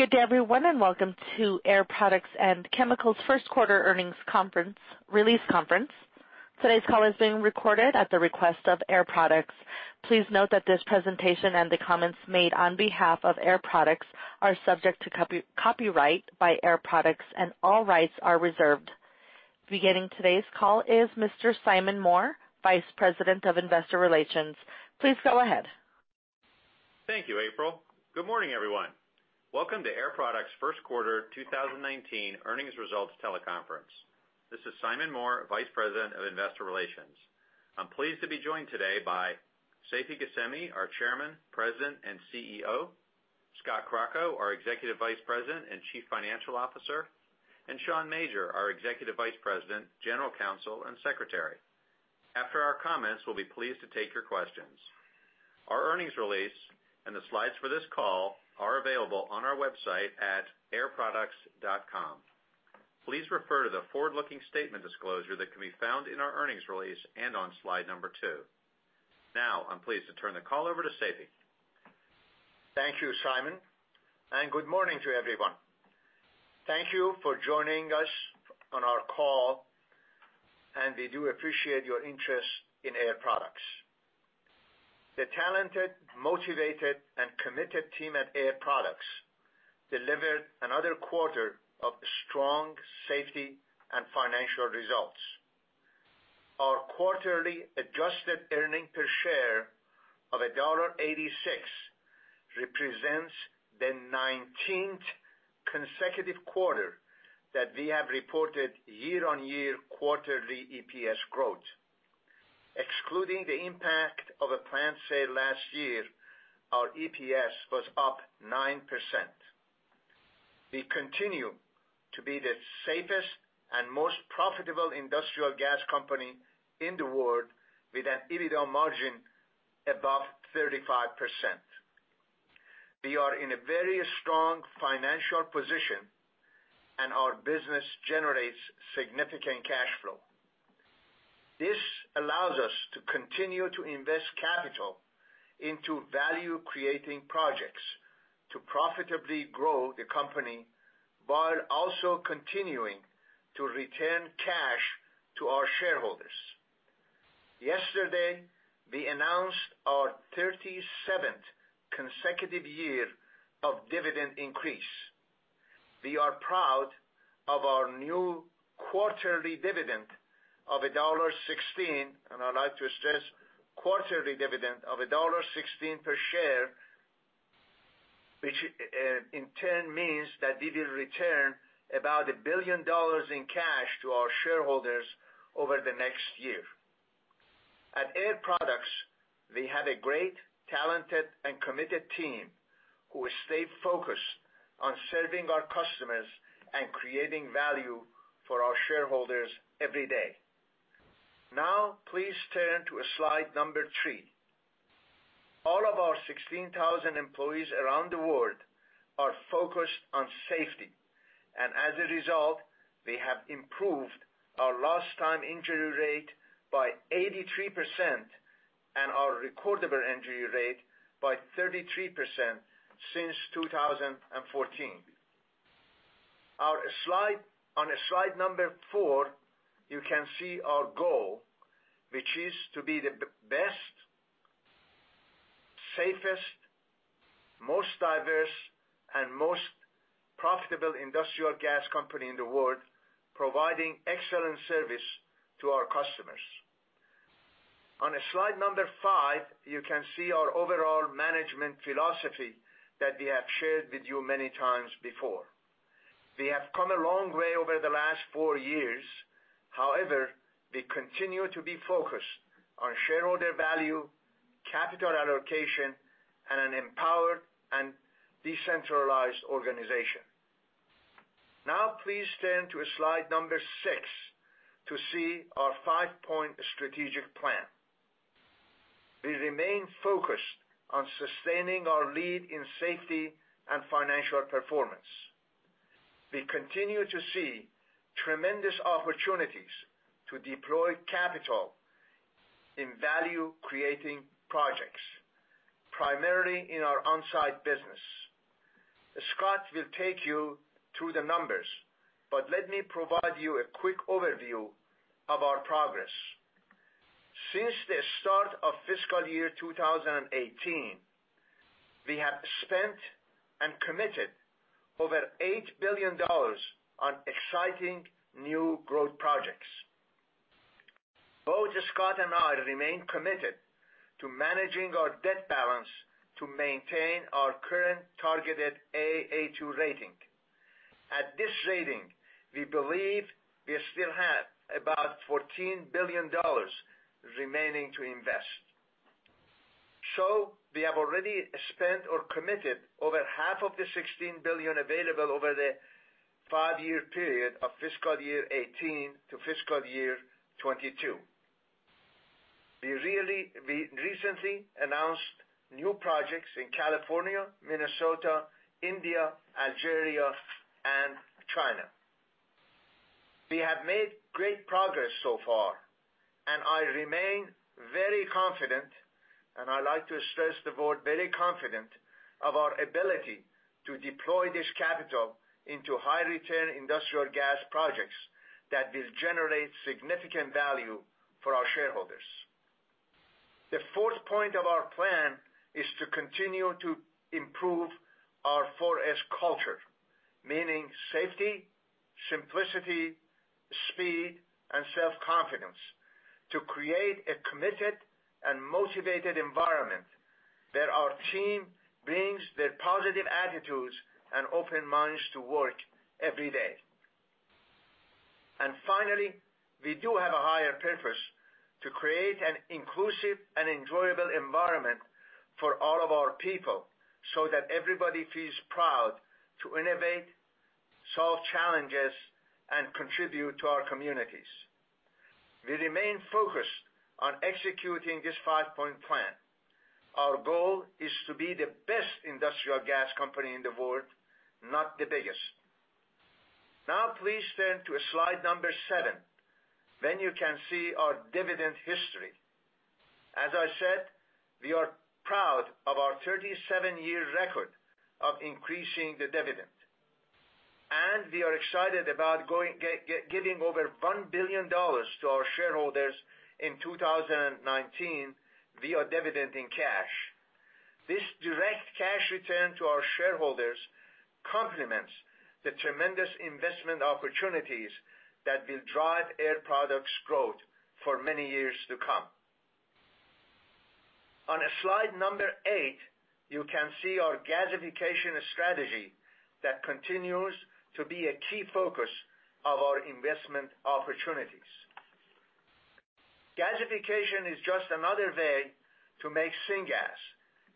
Good day everyone, welcome to Air Products and Chemicals first quarter earnings release conference. Today's call is being recorded at the request of Air Products. Please note that this presentation and the comments made on behalf of Air Products are subject to copyright by Air Products, and all rights are reserved. Beginning today's call is Mr. Simon Moore, Vice President of Investor Relations. Please go ahead. Thank you, April. Good morning, everyone. Welcome to Air Products' first quarter 2019 earnings results teleconference. This is Simon Moore, Vice President of Investor Relations. I'm pleased to be joined today by Seifi Ghasemi, our Chairman, President, and CEO, Scott Crocco, our Executive Vice President and Chief Financial Officer, and Sean Major, our Executive Vice President, General Counsel, and Secretary. After our comments, we'll be pleased to take your questions. Our earnings release and the slides for this call are available on our website at airproducts.com. Please refer to the forward-looking statement disclosure that can be found in our earnings release and on slide number two. I'm pleased to turn the call over to Seifi. Thank you, Simon, and good morning to everyone. Thank you for joining us on our call, and we do appreciate your interest in Air Products. The talented, motivated, and committed team at Air Products delivered another quarter of strong safety and financial results. Our quarterly adjusted earnings per share of $1.86 represents the 19th consecutive quarter that we have reported year-on-year quarterly EPS growth. Excluding the impact of a plant sale last year, our EPS was up 9%. We continue to be the safest and most profitable industrial gas company in the world with an EBITDA margin above 35%. We are in a very strong financial position, and our business generates significant cash flow. This allows us to continue to invest capital into value-creating projects to profitably grow the company, while also continuing to return cash to our shareholders. Yesterday, we announced our 37th consecutive year of dividend increase. We are proud of our new quarterly dividend of $1.16, and I'd like to stress quarterly dividend of $1.16 per share, which in turn means that we will return about $1 billion in cash to our shareholders over the next year. At Air Products, we have a great, talented, and committed team who stay focused on serving our customers and creating value for our shareholders every day. Please turn to slide number three. All of our 16,000 employees around the world are focused on safety, and as a result, we have improved our lost time injury rate by 83% and our recordable injury rate by 33% since 2014. On slide number four, you can see our goal, which is to be the best, safest, most diverse, and most profitable industrial gas company in the world, providing excellent service to our customers. On slide number five, you can see our overall management philosophy that we have shared with you many times before. We have come a long way over the last four years. However, we continue to be focused on shareholder value, capital allocation, and an empowered and decentralized organization. Please turn to slide number six to see our 5-point strategic plan. We remain focused on sustaining our lead in safety and financial performance. We continue to see tremendous opportunities to deploy capital in value-creating projects, primarily in our on-site business. Scott will take you through the numbers, but let me provide you a quick overview of our progress. Since the start of fiscal year 2018, we have spent and committed over $8 billion on exciting new growth projects. Both Scott and I remain committed to managing our debt balance to maintain our current targeted Aa2 rating. At this rating, we believe we still have about $14 billion remaining to invest. We have already spent or committed over half of the $16 billion available over the five-year period of fiscal year 2018 to fiscal year 2022. We recently announced new projects in California, Minnesota, India, Algeria, and China. We have made great progress so far. I'd like to stress the board very confident of our ability to deploy this capital into high return industrial gas projects that will generate significant value for our shareholders. The fourth point of our plan is to continue to improve our 4S culture, meaning safety, simplicity, speed, and self-confidence to create a committed and motivated environment where our team brings their positive attitudes and open minds to work every day. Finally, we do have a higher purpose: to create an inclusive and enjoyable environment for all of our people so that everybody feels proud to innovate, solve challenges, and contribute to our communities. We remain focused on executing this 5-point plan. Our goal is to be the best industrial gas company in the world, not the biggest. Please turn to slide number seven. You can see our dividend history. As I said, we are proud of our 37-year record of increasing the dividend, and we are excited about giving over $1 billion to our shareholders in 2019 via dividend in cash. This direct cash return to our shareholders complements the tremendous investment opportunities that will drive Air Products' growth for many years to come. On slide number eight, you can see our gasification strategy that continues to be a key focus of our investment opportunities. Gasification is just another way to make syngas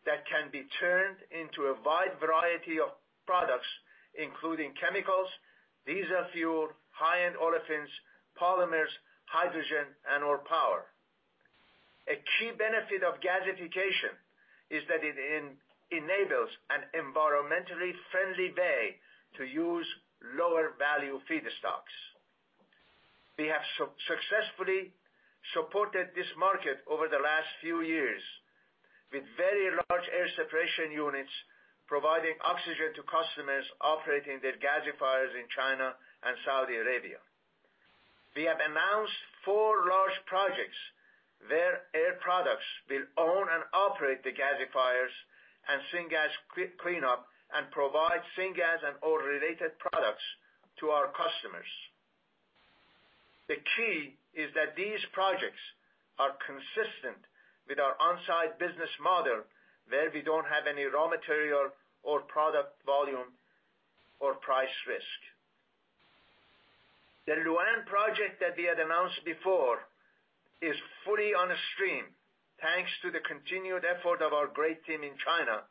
that can be turned into a wide variety of products, including chemicals, diesel fuel, high-end olefins, polymers, hydrogen, and/or power. A key benefit of gasification is that it enables an environmentally friendly way to use lower value feedstocks. We have successfully supported this market over the last few years with very large air separation units, providing oxygen to customers operating their gasifiers in China and Saudi Arabia. We have announced four large projects where Air Products will own and operate the gasifiers and syngas cleanup and provide syngas and all related products to our customers. The key is that these projects are consistent with our on-site business model, where we don't have any raw material or product volume or price risk. The Lu'An project that we had announced before is fully onstream thanks to the continued effort of our great team in China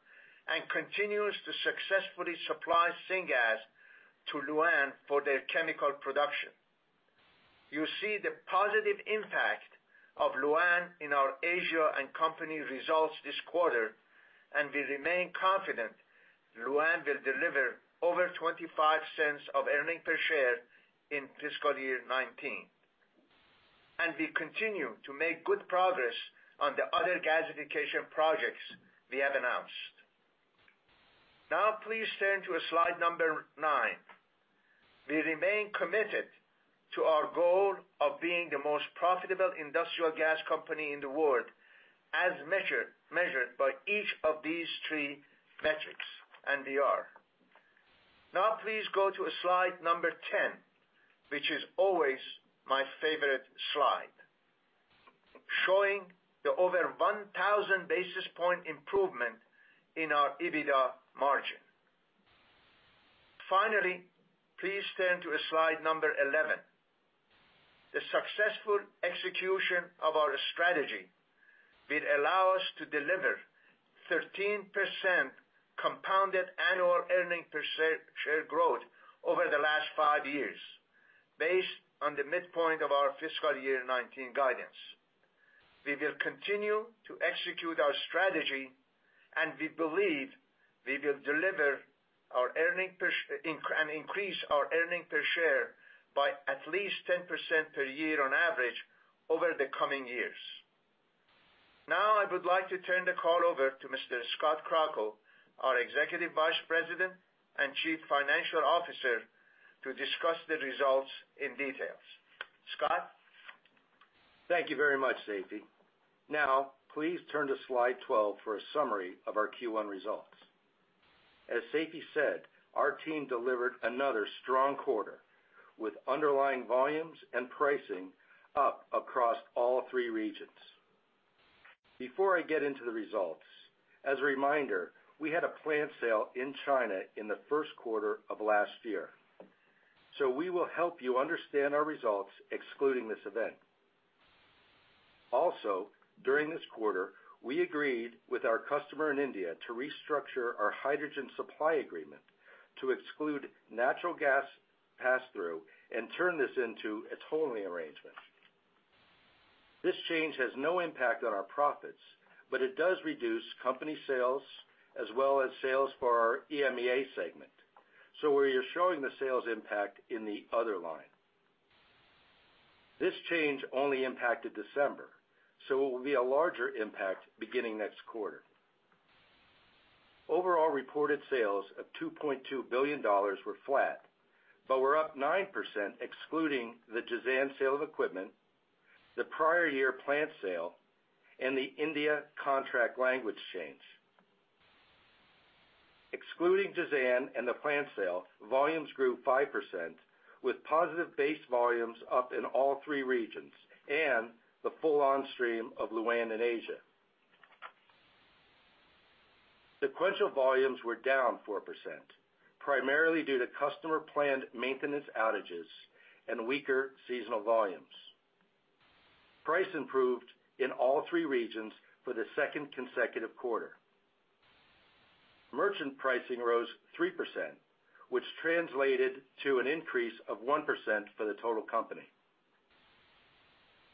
and continues to successfully supply syngas to Lu'An for their chemical production. You see the positive impact of Lu'An in our Asia and company results this quarter, and we remain confident Lu'An will deliver over $0.25 of earning per share in fiscal year 2019. We continue to make good progress on the other gasification projects we have announced. Please turn to slide number nine. We remain committed to our goal of being the most profitable industrial gas company in the world, as measured by each of these three metrics, and we are. Please go to slide 10, which is always my favorite slide, showing the over 1,000 basis point improvement in our EBITDA margin. Finally, please turn to slide 11. The successful execution of our strategy will allow us to deliver 13% compounded annual earning per share growth over the last five years, based on the midpoint of our fiscal year 2019 guidance. We will continue to execute our strategy, and we believe we will deliver and increase our earning per share by at least 10% per year on average over the coming years. I would like to turn the call over to Mr. Scott Crocco, our Executive Vice President and Chief Financial Officer, to discuss the results in details. Scott? Thank you very much, Seifi. Please turn to slide 12 for a summary of our Q1 results. As Seifi said, our team delivered another strong quarter with underlying volumes and pricing up across all three regions. Before I get into the results, as a reminder, we had a plant sale in China in the first quarter of last year, so we will help you understand our results excluding this event. During this quarter, we agreed with our customer in India to restructure our hydrogen supply agreement to exclude natural gas pass-through and turn this into a tolling arrangement. This change has no impact on our profits, but it does reduce company sales as well as sales for our EMEA segment. We are showing the sales impact in the other line. This change only impacted December, so it will be a larger impact beginning next quarter. Overall reported sales of $2.2 billion were flat, but were up 9% excluding the Jazan sale of equipment, the prior year plant sale, and the India contract language change. Excluding Jazan and the plant sale, volumes grew 5% with positive base volumes up in all three regions and the full onstream of Lu'An in Asia. Sequential volumes were down 4%, primarily due to customer planned maintenance outages and weaker seasonal volumes. Price improved in all three regions for the second consecutive quarter. Merchant pricing rose 3%, which translated to an increase of 1% for the total company.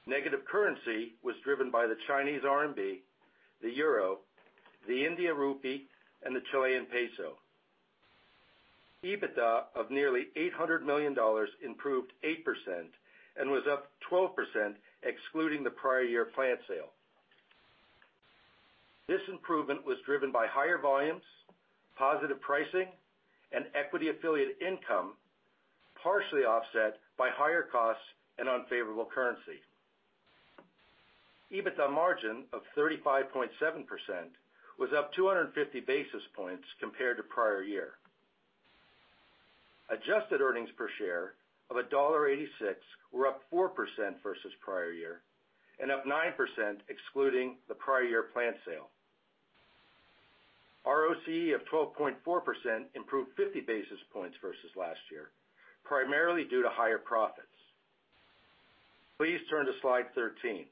Negative currency was driven by the Chinese RMB, the euro, the Indian rupee, and the Chilean peso. EBITDA of nearly $800 million, improved 8% and was up 12%, excluding the prior year plant sale. This improvement was driven by higher volumes, positive pricing, and equity affiliate income, partially offset by higher costs and unfavorable currency. EBITDA margin of 35.7% was up 250 basis points compared to prior year. Adjusted earnings per share of $1.86 were up 4% versus prior year, and up 9% excluding the prior year plant sale. ROCE of 12.4% improved 50 basis points versus last year, primarily due to higher profits. Please turn to slide 13.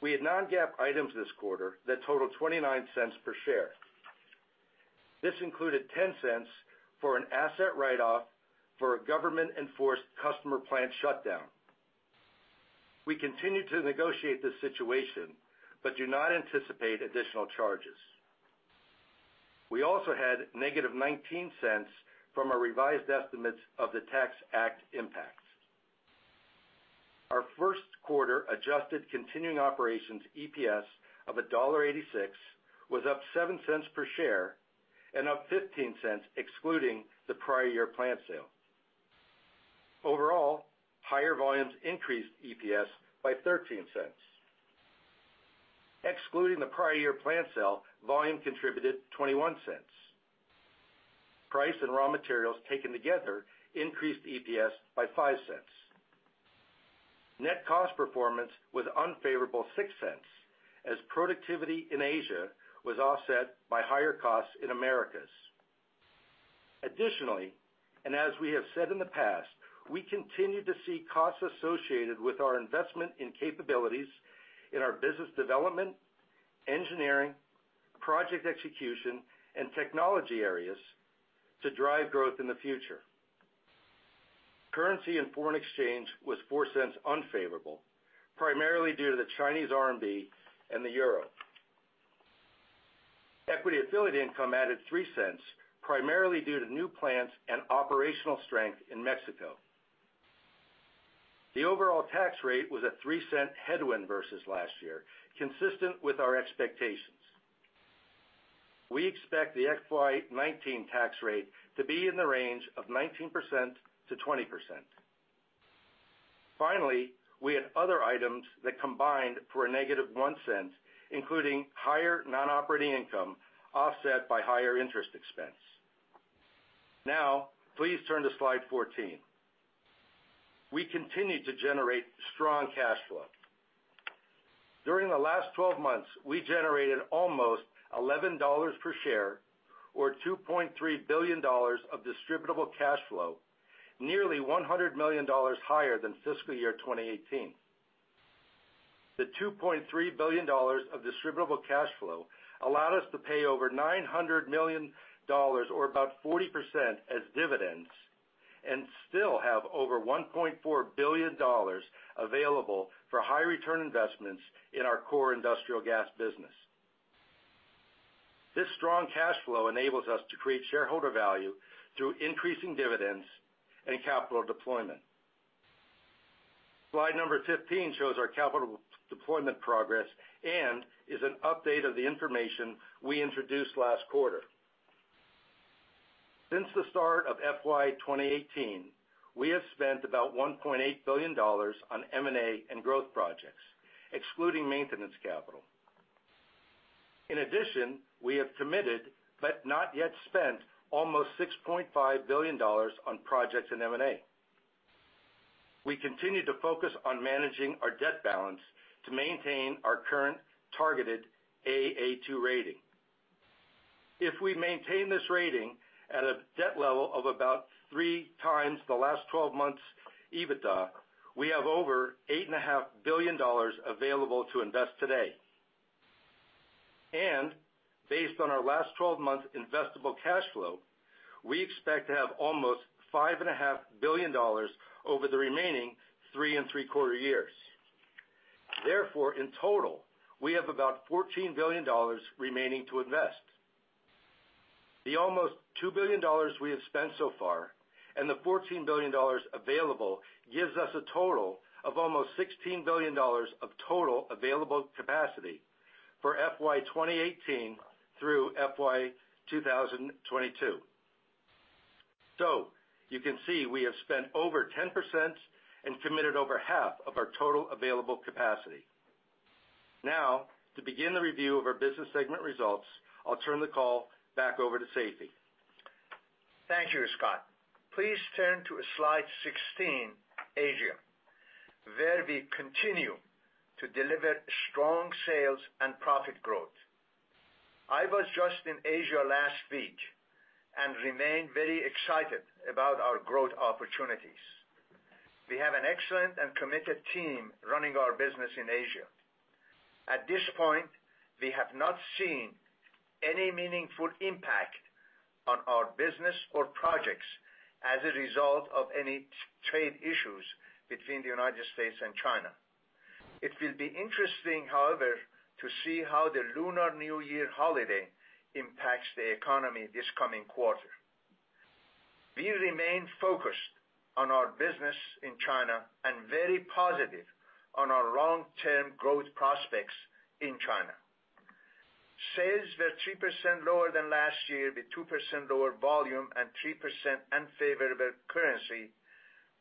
We had non-GAAP items this quarter that totaled $0.29 per share. This included $0.10 for an asset write-off for a government-enforced customer plant shutdown. We continue to negotiate this situation but do not anticipate additional charges. We also had -$0.19 from our revised estimates of the Tax Act impacts. Our first quarter adjusted continuing operations EPS of $1.86 was up $0.07 per share and up $0.15 excluding the prior year plant sale. Overall, higher volumes increased EPS by $0.13. Excluding the prior year plant sale, volume contributed $0.21. Price and raw materials taken together increased EPS by $0.05. Net cost performance was unfavorable $0.06, as productivity in Asia was offset by higher costs in Americas. Additionally, as we have said in the past, we continue to see costs associated with our investment in capabilities in our business development, engineering, project execution, and technology areas to drive growth in the future. Currency and foreign exchange was $0.04 unfavorable, primarily due to the Chinese RMB and the euro. Equity affiliate income added $0.03, primarily due to new plants and operational strength in Mexico. The overall tax rate was a $0.03 headwind versus last year, consistent with our expectations. We expect the FY 2019 tax rate to be in the range of 19%-20%. Finally, we had other items that combined for a negative $0.01, including higher non-operating income, offset by higher interest expense. Please turn to slide 14. We continue to generate strong cash flow. During the last 12 months, we generated almost $11 per share or $2.3 billion of distributable cash flow, nearly $100 million higher than fiscal year 2018. The $2.3 billion of distributable cash flow allowed us to pay over $900 million, or about 40%, as dividends, and still have over $1.4 billion available for high return investments in our core industrial gas business. This strong cash flow enables us to create shareholder value through increasing dividends and capital deployment. Slide number 15 shows our capital deployment progress and is an update of the information we introduced last quarter. Since the start of FY 2018, we have spent about $1.8 billion on M&A and growth projects, excluding maintenance capital. In addition, we have committed, but not yet spent, almost $6.5 billion on projects in M&A. We continue to focus on managing our debt balance to maintain our current targeted Aa2 rating. If we maintain this rating at a debt level of about 3x the last 12 months EBITDA, we have over $8.5 billion available to invest today. Based on our last 12 months investable cash flow, we expect to have almost $5.5 billion over the remaining three and three-quarter years. In total, we have about $14 billion remaining to invest. The almost $2 billion we have spent so far and the $14 billion available gives us a total of almost $16 billion of total available capacity for FY 2018 through FY 2022. You can see we have spent over 10% and committed over half of our total available capacity. To begin the review of our business segment results, I'll turn the call back over to Seifi. Thank you, Scott. Please turn to slide 16, Asia, where we continue to deliver strong sales and profit growth. I was just in Asia last week and remain very excited about our growth opportunities. We have an excellent and committed team running our business in Asia. At this point, we have not seen any meaningful impact on our business or projects as a result of any trade issues between the U.S. and China. It will be interesting, however, to see how the Lunar New Year holiday impacts the economy this coming quarter. We remain focused on our business in China and very positive on our long-term growth prospects in China. Sales were 3% lower than last year, with 2% lower volume and 3% unfavorable currency,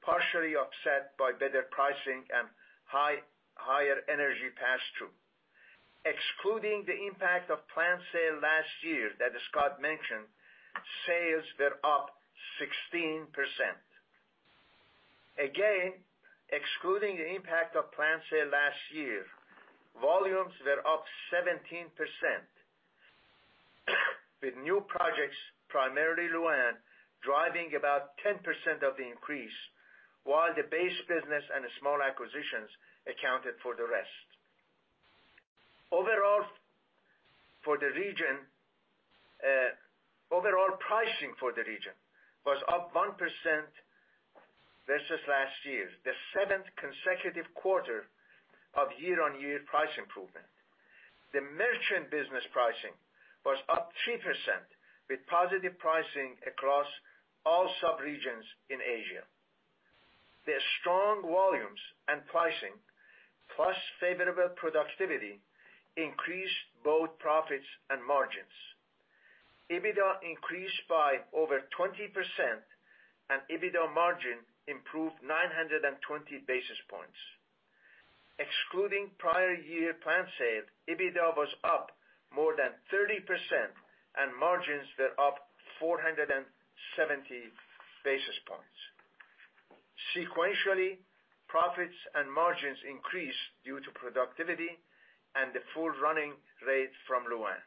partially offset by better pricing and higher energy pass-through. Excluding the impact of plant sale last year that Scott mentioned, sales were up 16%. Again, excluding the impact of plant sale last year, volumes were up 17%, with new projects, primarily Lu'An, driving about 10% of the increase, while the base business and the small acquisitions accounted for the rest. Overall pricing for the region was up 1% versus last year, the seventh consecutive quarter of year-on-year price improvement. The merchant business pricing was up 3%, with positive pricing across all subregions in Asia. The strong volumes and pricing, plus favorable productivity, increased both profits and margins. EBITDA increased by over 20%, and EBITDA margin improved 920 basis points. Excluding prior year plant sale, EBITDA was up more than 30% and margins were up 470 basis points. Sequentially, profits and margins increased due to productivity and the full running rate from Lu'An.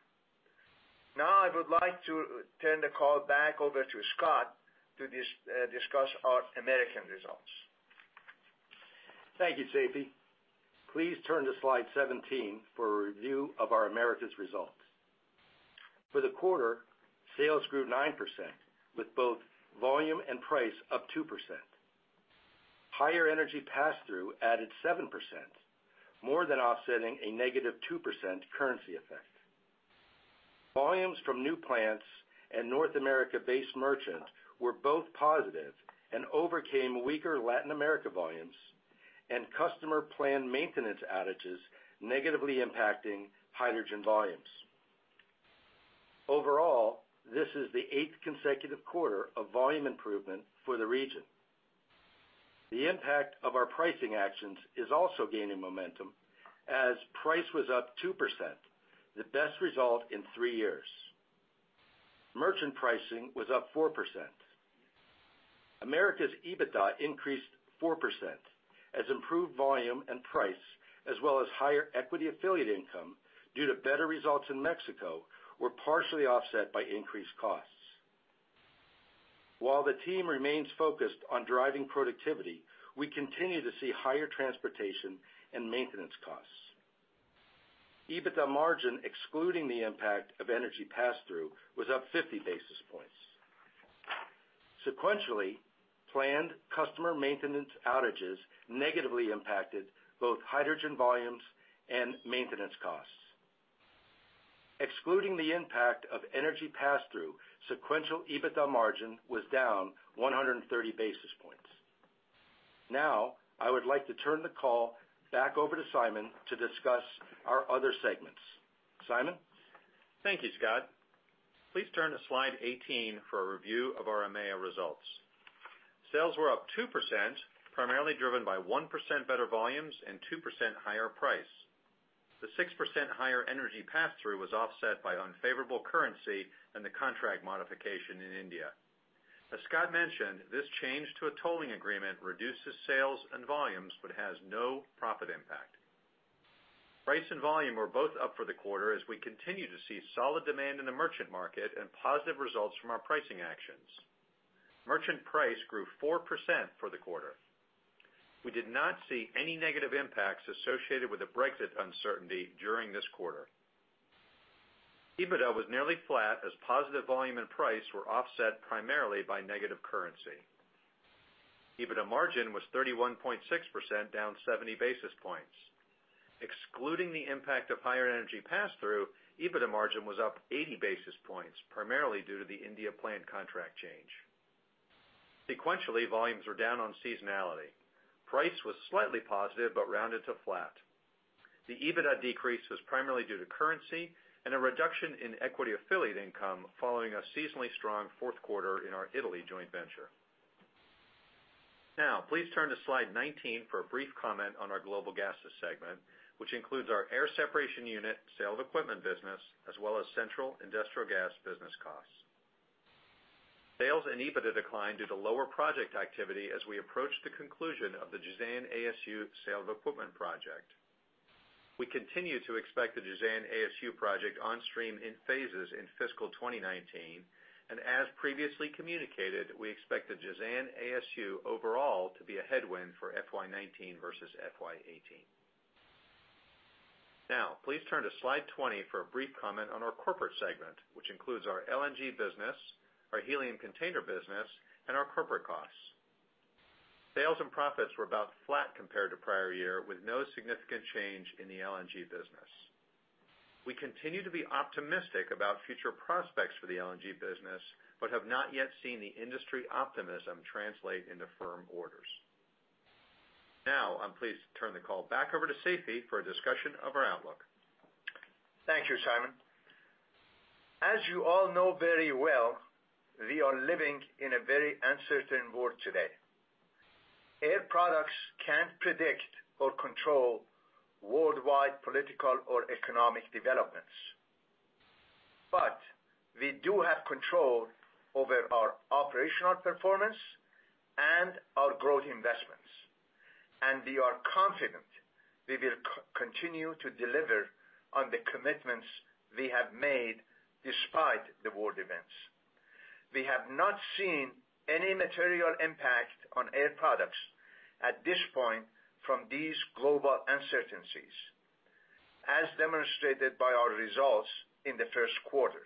I would like to turn the call back over to Scott to discuss our American results. Thank you, Seifi. Please turn to slide 17 for a review of our Americas results. For the quarter, sales grew 9%, with both volume and price up 2%. Higher energy pass-through added 7%, more than offsetting a negative 2% currency effect. Volumes from new plants and North America-based merchant were both positive and overcame weaker Latin America volumes and customer planned maintenance outages negatively impacting hydrogen volumes. Overall, this is the eighth consecutive quarter of volume improvement for the region. The impact of our pricing actions is also gaining momentum as price was up 2%, the best result in three years. Merchant pricing was up 4%. Americas EBITDA increased 4% as improved volume and price, as well as higher equity affiliate income due to better results in Mexico, were partially offset by increased costs. While the team remains focused on driving productivity, we continue to see higher transportation and maintenance costs. EBITDA margin, excluding the impact of energy pass-through, was up 50 basis points. Sequentially, planned customer maintenance outages negatively impacted both hydrogen volumes and maintenance costs. Excluding the impact of energy pass-through, sequential EBITDA margin was down 130 basis points. I would like to turn the call back over to Simon to discuss our other segments. Simon? Thank you, Scott. Please turn to slide 18 for a review of our EMEA results. Sales were up 2%, primarily driven by 1% better volumes and 2% higher price. The 6% higher energy pass-through was offset by unfavorable currency and the contract modification in India. As Scott mentioned, this change to a tolling agreement reduces sales and volumes but has no profit impact. Price and volume are both up for the quarter as we continue to see solid demand in the merchant market and positive results from our pricing actions. Merchant price grew 4% for the quarter. We did not see any negative impacts associated with the Brexit uncertainty during this quarter. EBITDA was nearly flat as positive volume and price were offset primarily by negative currency. EBITDA margin was 31.6%, down 70 basis points. Excluding the impact of higher energy pass-through, EBITDA margin was up 80 basis points, primarily due to the India plant contract change. Sequentially, volumes were down on seasonality. Price was slightly positive, but rounded to flat. The EBITDA decrease was primarily due to currency and a reduction in equity affiliate income following a seasonally strong fourth quarter in our Italy joint venture. Please turn to slide 19 for a brief comment on our global gases segment, which includes our air separation unit, sale of equipment business, as well as central industrial gas business costs. Sales and EBITDA declined due to lower project activity as we approach the conclusion of the Jazan ASU sale of equipment project. We continue to expect the Jazan ASU project on stream in phases in fiscal 2019, and as previously communicated, we expect the Jazan ASU overall to be a headwind for FY 2019 versus FY 2018. Please turn to slide 20 for a brief comment on our corporate segment, which includes our LNG business, our helium container business, and our corporate costs. Sales and profits were about flat compared to prior year, with no significant change in the LNG business. We continue to be optimistic about future prospects for the LNG business, but have not yet seen the industry optimism translate into firm orders. I'm pleased to turn the call back over to Seifi for a discussion of our outlook. Thank you, Simon. As you all know very well, we are living in a very uncertain world today. Air Products can't predict or control worldwide political or economic developments. We do have control over our operational performance and our growth investments, and we are confident we will continue to deliver on the commitments we have made despite the world events. We have not seen any material impact on Air Products at this point from these global uncertainties, as demonstrated by our results in the first quarter.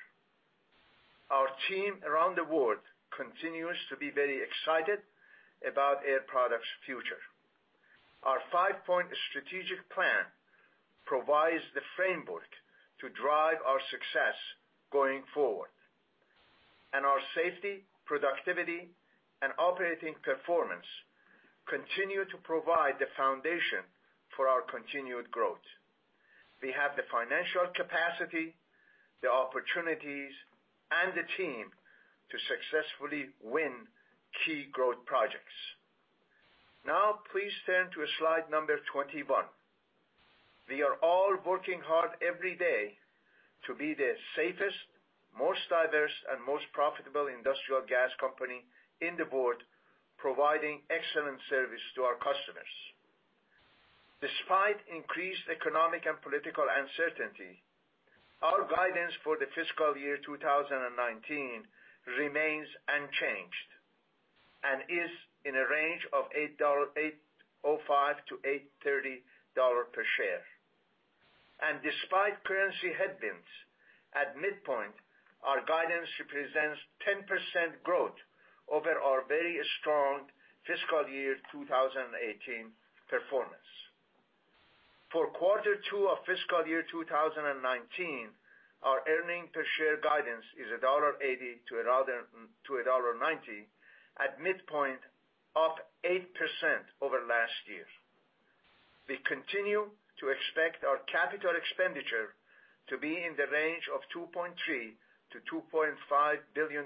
Our team around the world continues to be very excited about Air Products' future. Our 5-point strategic plan provides the framework to drive our success going forward. Our safety, productivity, and operating performance continue to provide the foundation for our continued growth. We have the financial capacity, the opportunities, and the team to successfully win key growth projects. Now, please turn to slide number 21. We are all working hard every day to be the safest, most diverse, and most profitable industrial gas company in the world, providing excellent service to our customers. Despite increased economic and political uncertainty, our guidance for the fiscal year 2019 remains unchanged and is in a range of $8.05-$8.30 per share. Despite currency headwinds, at midpoint, our guidance represents 10% growth over our very strong fiscal year 2018 performance. For quarter two of fiscal year 2019, our earning per share guidance is $1.80 to $1.90 at midpoint, up 8% over last year. We continue to expect our capital expenditure to be in the range of $2.3 billion-$2.5 billion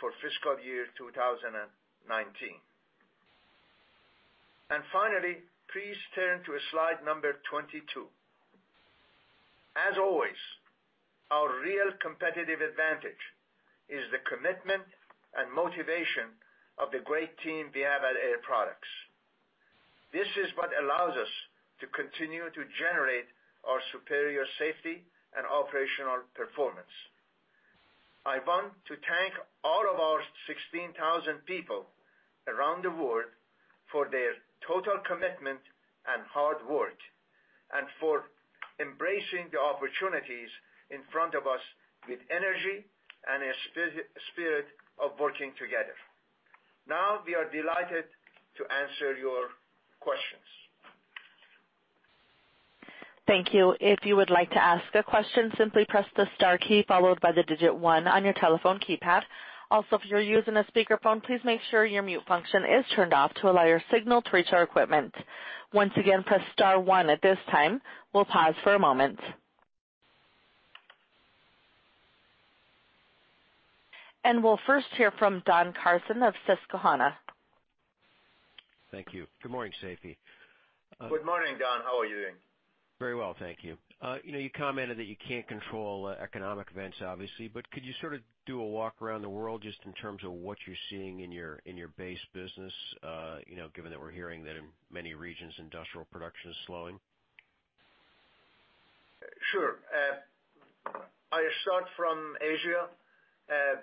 for fiscal year 2019. Finally, please turn to slide number 22. As always, our real competitive advantage is the commitment and motivation of the great team we have at Air Products. This is what allows us to continue to generate our superior safety and operational performance. I want to thank all of our 16,000 people around the world for their total commitment and hard work and for embracing the opportunities in front of us with energy and a spirit of working together. We are delighted to answer your questions. Thank you. If you would like to ask a question, simply press the star key followed by the digit one on your telephone keypad. Also, if you're using a speakerphone, please make sure your mute function is turned off to allow your signal to reach our equipment. Once again, press star one at this time. We'll pause for a moment. We'll first hear from Don Carson of Susquehanna. Thank you. Good morning, Seifi. Good morning, Don. How are you doing? Very well, thank you. You commented that you can't control economic events, obviously, but could you sort of do a walk around the world just in terms of what you're seeing in your base business, given that we're hearing that in many regions, industrial production is slowing? Sure. I start from Asia.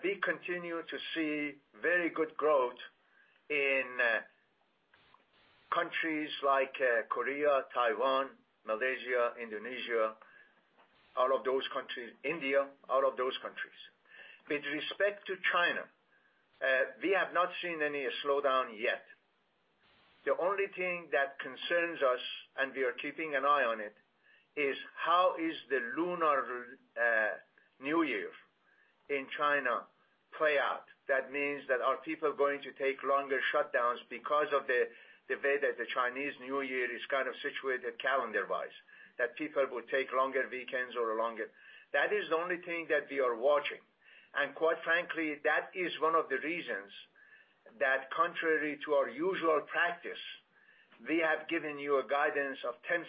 We continue to see very good growth in countries like Korea, Taiwan, Malaysia, Indonesia, all of those countries. India, all of those countries. With respect to China, we have not seen any slowdown yet. The only thing that concerns us, and we are keeping an eye on it, is how is the Lunar New Year in China play out? That means that are people going to take longer shutdowns because of the way that the Chinese New Year is kind of situated calendar-wise, that people will take longer weekends. That is the only thing that we are watching. Quite frankly, that is one of the reasons that contrary to our usual practice, we have given you a guidance of $0.10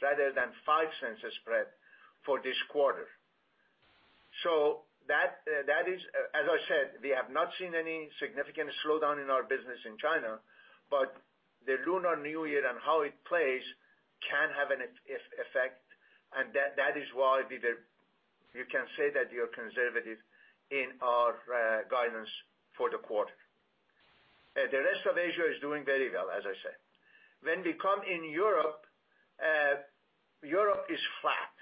rather than $0.05 spread for this quarter. That is, as I said, we have not seen any significant slowdown in our business in China. The Lunar New Year and how it plays can have an effect, and that is why you can say that we are conservative in our guidance for the quarter. The rest of Asia is doing very well, as I said. When we come in Europe is flat.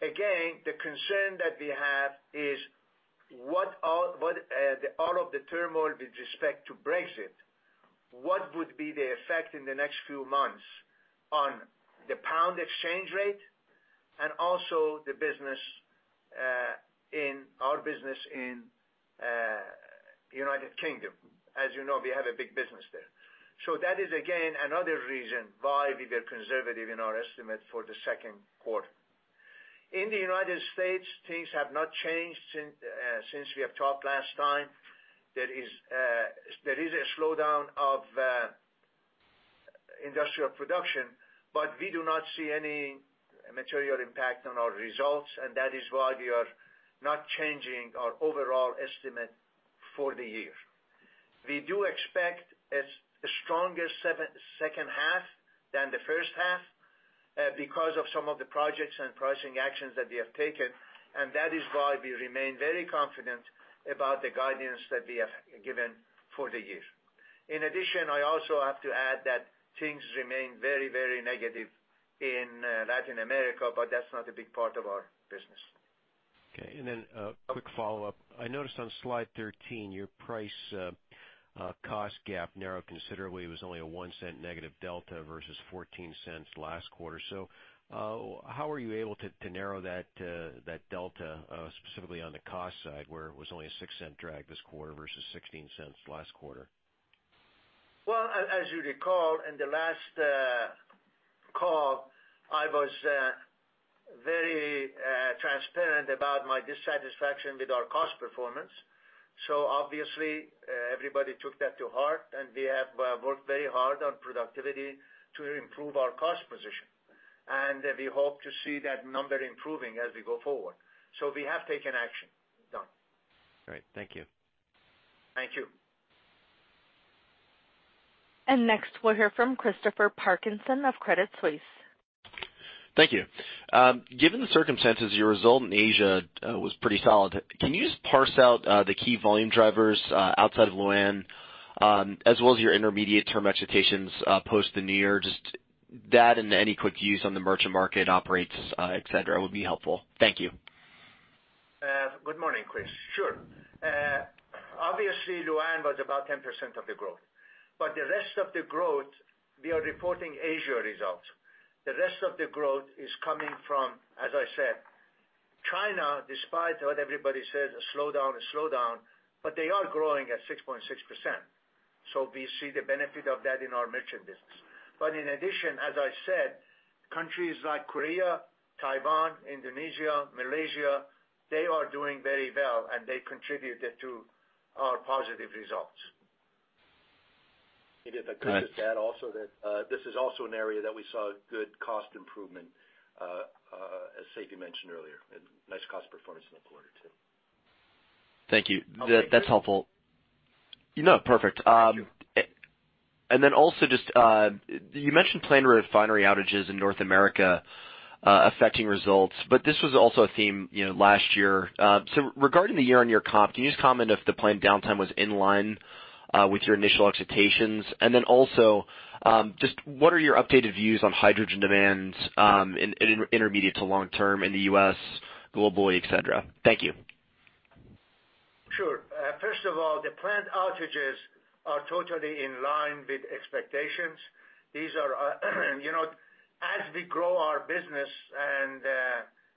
The concern that we have is all of the turmoil with respect to Brexit, what would be the effect in the next few months on the pound exchange rate and also our business in the U.K. As you know, we have a big business there. That is again, another reason why we were conservative in our estimate for the second quarter. In the U.S., things have not changed since we have talked last time. There is a slowdown of industrial production. We do not see any material impact on our results. That is why we are not changing our overall estimate for the year. We do expect a stronger second half than the first half, because of some of the projects and pricing actions that we have taken. That is why we remain very confident about the guidance that we have given for the year. In addition, I also have to add that things remain very, very negative in Latin America. That's not a big part of our business. A quick follow-up. I noticed on slide 13, your price cost gap narrowed considerably. It was only a $0.01 negative delta versus $0.14 last quarter. How were you able to narrow that delta, specifically on the cost side, where it was only a $0.06 drag this quarter versus $0.16 last quarter? As you recall, in the last call, I was very transparent about my dissatisfaction with our cost performance. Obviously, everybody took that to heart, and we have worked very hard on productivity to improve our cost position. We hope to see that number improving as we go forward. We have taken action, Don. Great. Thank you. Thank you. Next, we'll hear from Christopher Parkinson of Credit Suisse. Thank you. Given the circumstances, your result in Asia was pretty solid. Can you just parse out the key volume drivers outside of Lu'An, as well as your intermediate term expectations post the Lunar New Year? Just that and any quick views on the merchant market, OpEx, et cetera, would be helpful. Thank you. Good morning, Chris. Sure. Obviously Lu'An was about 10% of the growth. The rest of the growth, we are reporting Asia results. The rest of the growth is coming from, as I said, China, despite what everybody says, a slowdown. They are growing at 6.6%. We see the benefit of that in our merchant business. In addition, as I said, countries like Korea, Taiwan, Indonesia, Malaysia, they are doing very well, and they contributed to our positive results. If I could just add also that this is also an area that we saw good cost improvement, as Seifi mentioned earlier, a nice cost performance in the quarter too. Thank you. That's helpful. No, perfect. Also just, you mentioned planned refinery outages in North America affecting results, but this was also a theme last year. Regarding the year-on-year comp, can you just comment if the planned downtime was in line with your initial expectations? Also, just what are your updated views on hydrogen demands, intermediate to long-term in the U.S., globally, et cetera? Thank you. Sure. First of all, the plant outages are totally in line with expectations. As we grow our business and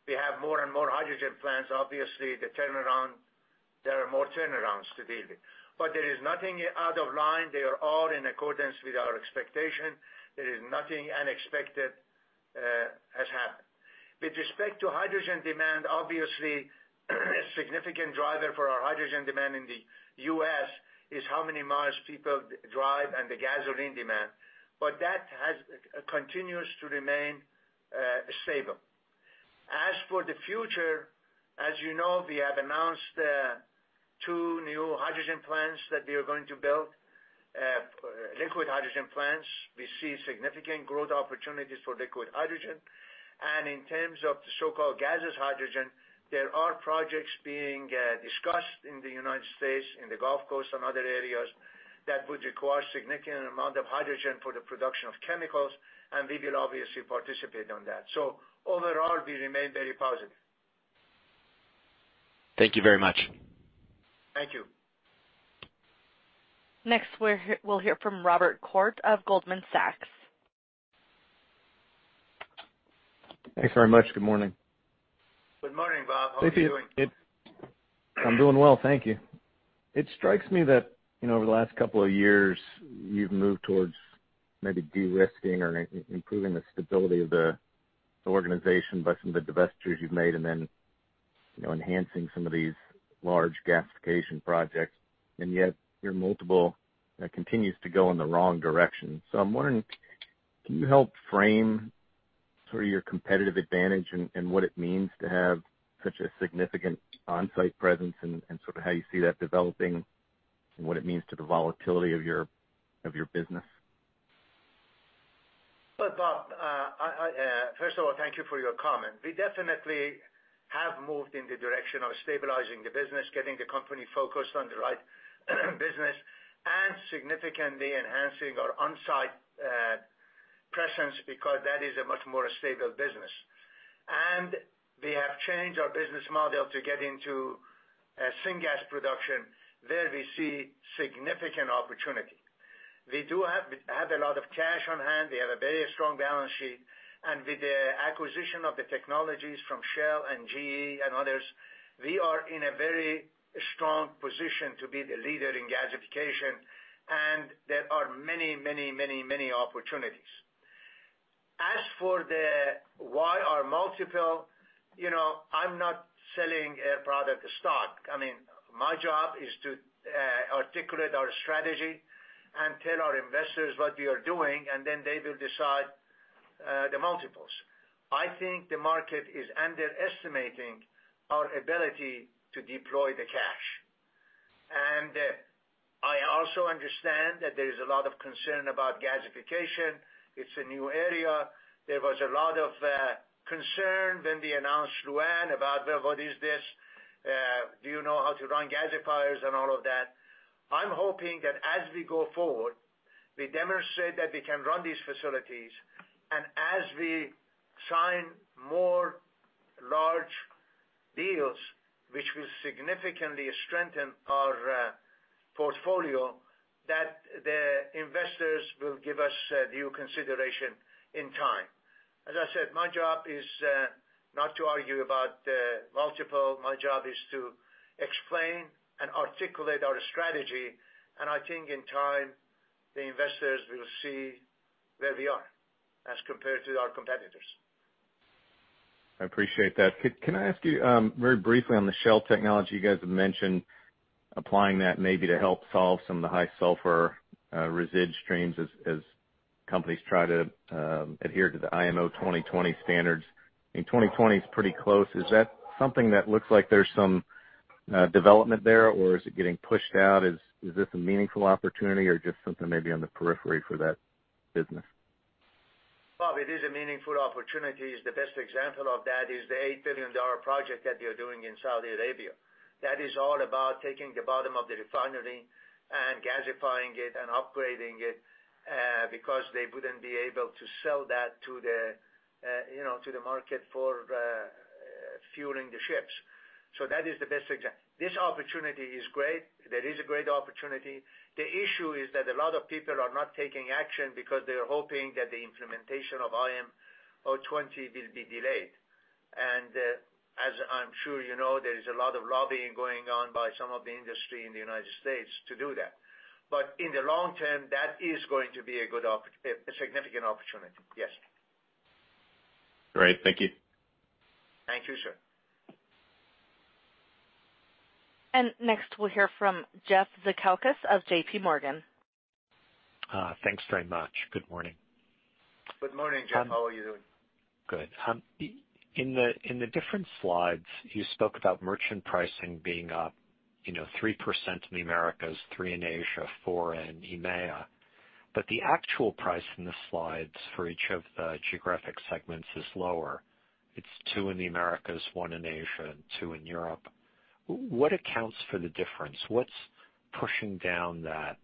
we have more and more hydrogen plants, obviously there are more turnarounds to be. There is nothing out of line. They are all in accordance with our expectation. There is nothing unexpected has happened. With respect to hydrogen demand, obviously, a significant driver for our hydrogen demand in the U.S. is how many miles people drive and the gasoline demand. That continues to remain stable. As for the future, as you know, we have announced that we are going to build liquid hydrogen plants. We see significant growth opportunities for liquid hydrogen. In terms of the so-called gaseous hydrogen, there are projects being discussed in the U.S., in the Gulf Coast, and other areas that would require significant amount of hydrogen for the production of chemicals, and we will obviously participate on that. Overall, we remain very positive. Thank you very much. Thank you. Next, we'll hear from Robert Koort of Goldman Sachs. Thanks very much. Good morning. Good morning, Rob. How are you doing? I'm doing well. Thank you. It strikes me that, over the last couple of years, you've moved towards maybe de-risking or improving the stability of the organization by some of the divestitures you've made, then enhancing some of these large gasification projects. Yet your multiple continues to go in the wrong direction. I'm wondering, can you help frame sort of your competitive advantage and what it means to have such a significant on-site presence and sort of how you see that developing and what it means to the volatility of your business? Look, Rob, first of all, thank you for your comment. We definitely have moved in the direction of stabilizing the business, getting the company focused on the right business, and significantly enhancing our on-site presence, because that is a much more stable business. We have changed our business model to get into syngas production where we see significant opportunity. We do have a lot of cash on hand. We have a very strong balance sheet. With the acquisition of the technologies from Shell and GE and others, we are in a very strong position to be the leader in gasification, and there are many opportunities. As for the why our multiple, I'm not selling a product stock. My job is to articulate our strategy and tell our investors what we are doing, and then they will decide the multiples. I think the market is underestimating our ability to deploy the cash. I also understand that there is a lot of concern about gasification. It's a new area. There was a lot of concern when we announced Lu'An about what is this, do you know how to run gasifiers and all of that. I'm hoping that as we go forward, we demonstrate that we can run these facilities. As we sign more large deals, which will significantly strengthen our portfolio, that the investors will give us due consideration in time. As I said, my job is not to argue about the multiple. My job is to explain and articulate our strategy, I think in time, the investors will see where we are as compared to our competitors. I appreciate that. Can I ask you very briefly on the Shell technology you guys have mentioned, applying that maybe to help solve some of the high sulfur resid streams as companies try to adhere to the IMO 2020 standards. I mean, 2020 is pretty close. Is that something that looks like there's some development there, or is it getting pushed out? Is this a meaningful opportunity or just something maybe on the periphery for that business? Rob, it is a meaningful opportunity. The best example of that is the $8 billion project that we are doing in Saudi Arabia. That is all about taking the bottom of the refinery and gasifying it and upgrading it, because they wouldn't be able to sell that to the market for fueling the ships. That is the best example. This opportunity is great. That is a great opportunity. The issue is that a lot of people are not taking action because they are hoping that the implementation of IMO 2020 will be delayed. As I'm sure you know, there is a lot of lobbying going on by some of the industry in the United States to do that. In the long term, that is going to be a significant opportunity, yes. Great. Thank you. Thank you, sir. Next, we'll hear from Jeff Zekauskas of JPMorgan. Thanks very much. Good morning. Good morning, Jeff. How are you doing? Good. In the different slides, you spoke about merchant pricing being up 3% in the Americas, 3% in Asia, 4% in EMEA. The actual price in the slides for each of the geographic segments is lower. It's 2% in the Americas, 1% in Asia, and 2% in Europe. What accounts for the difference? What's pushing down that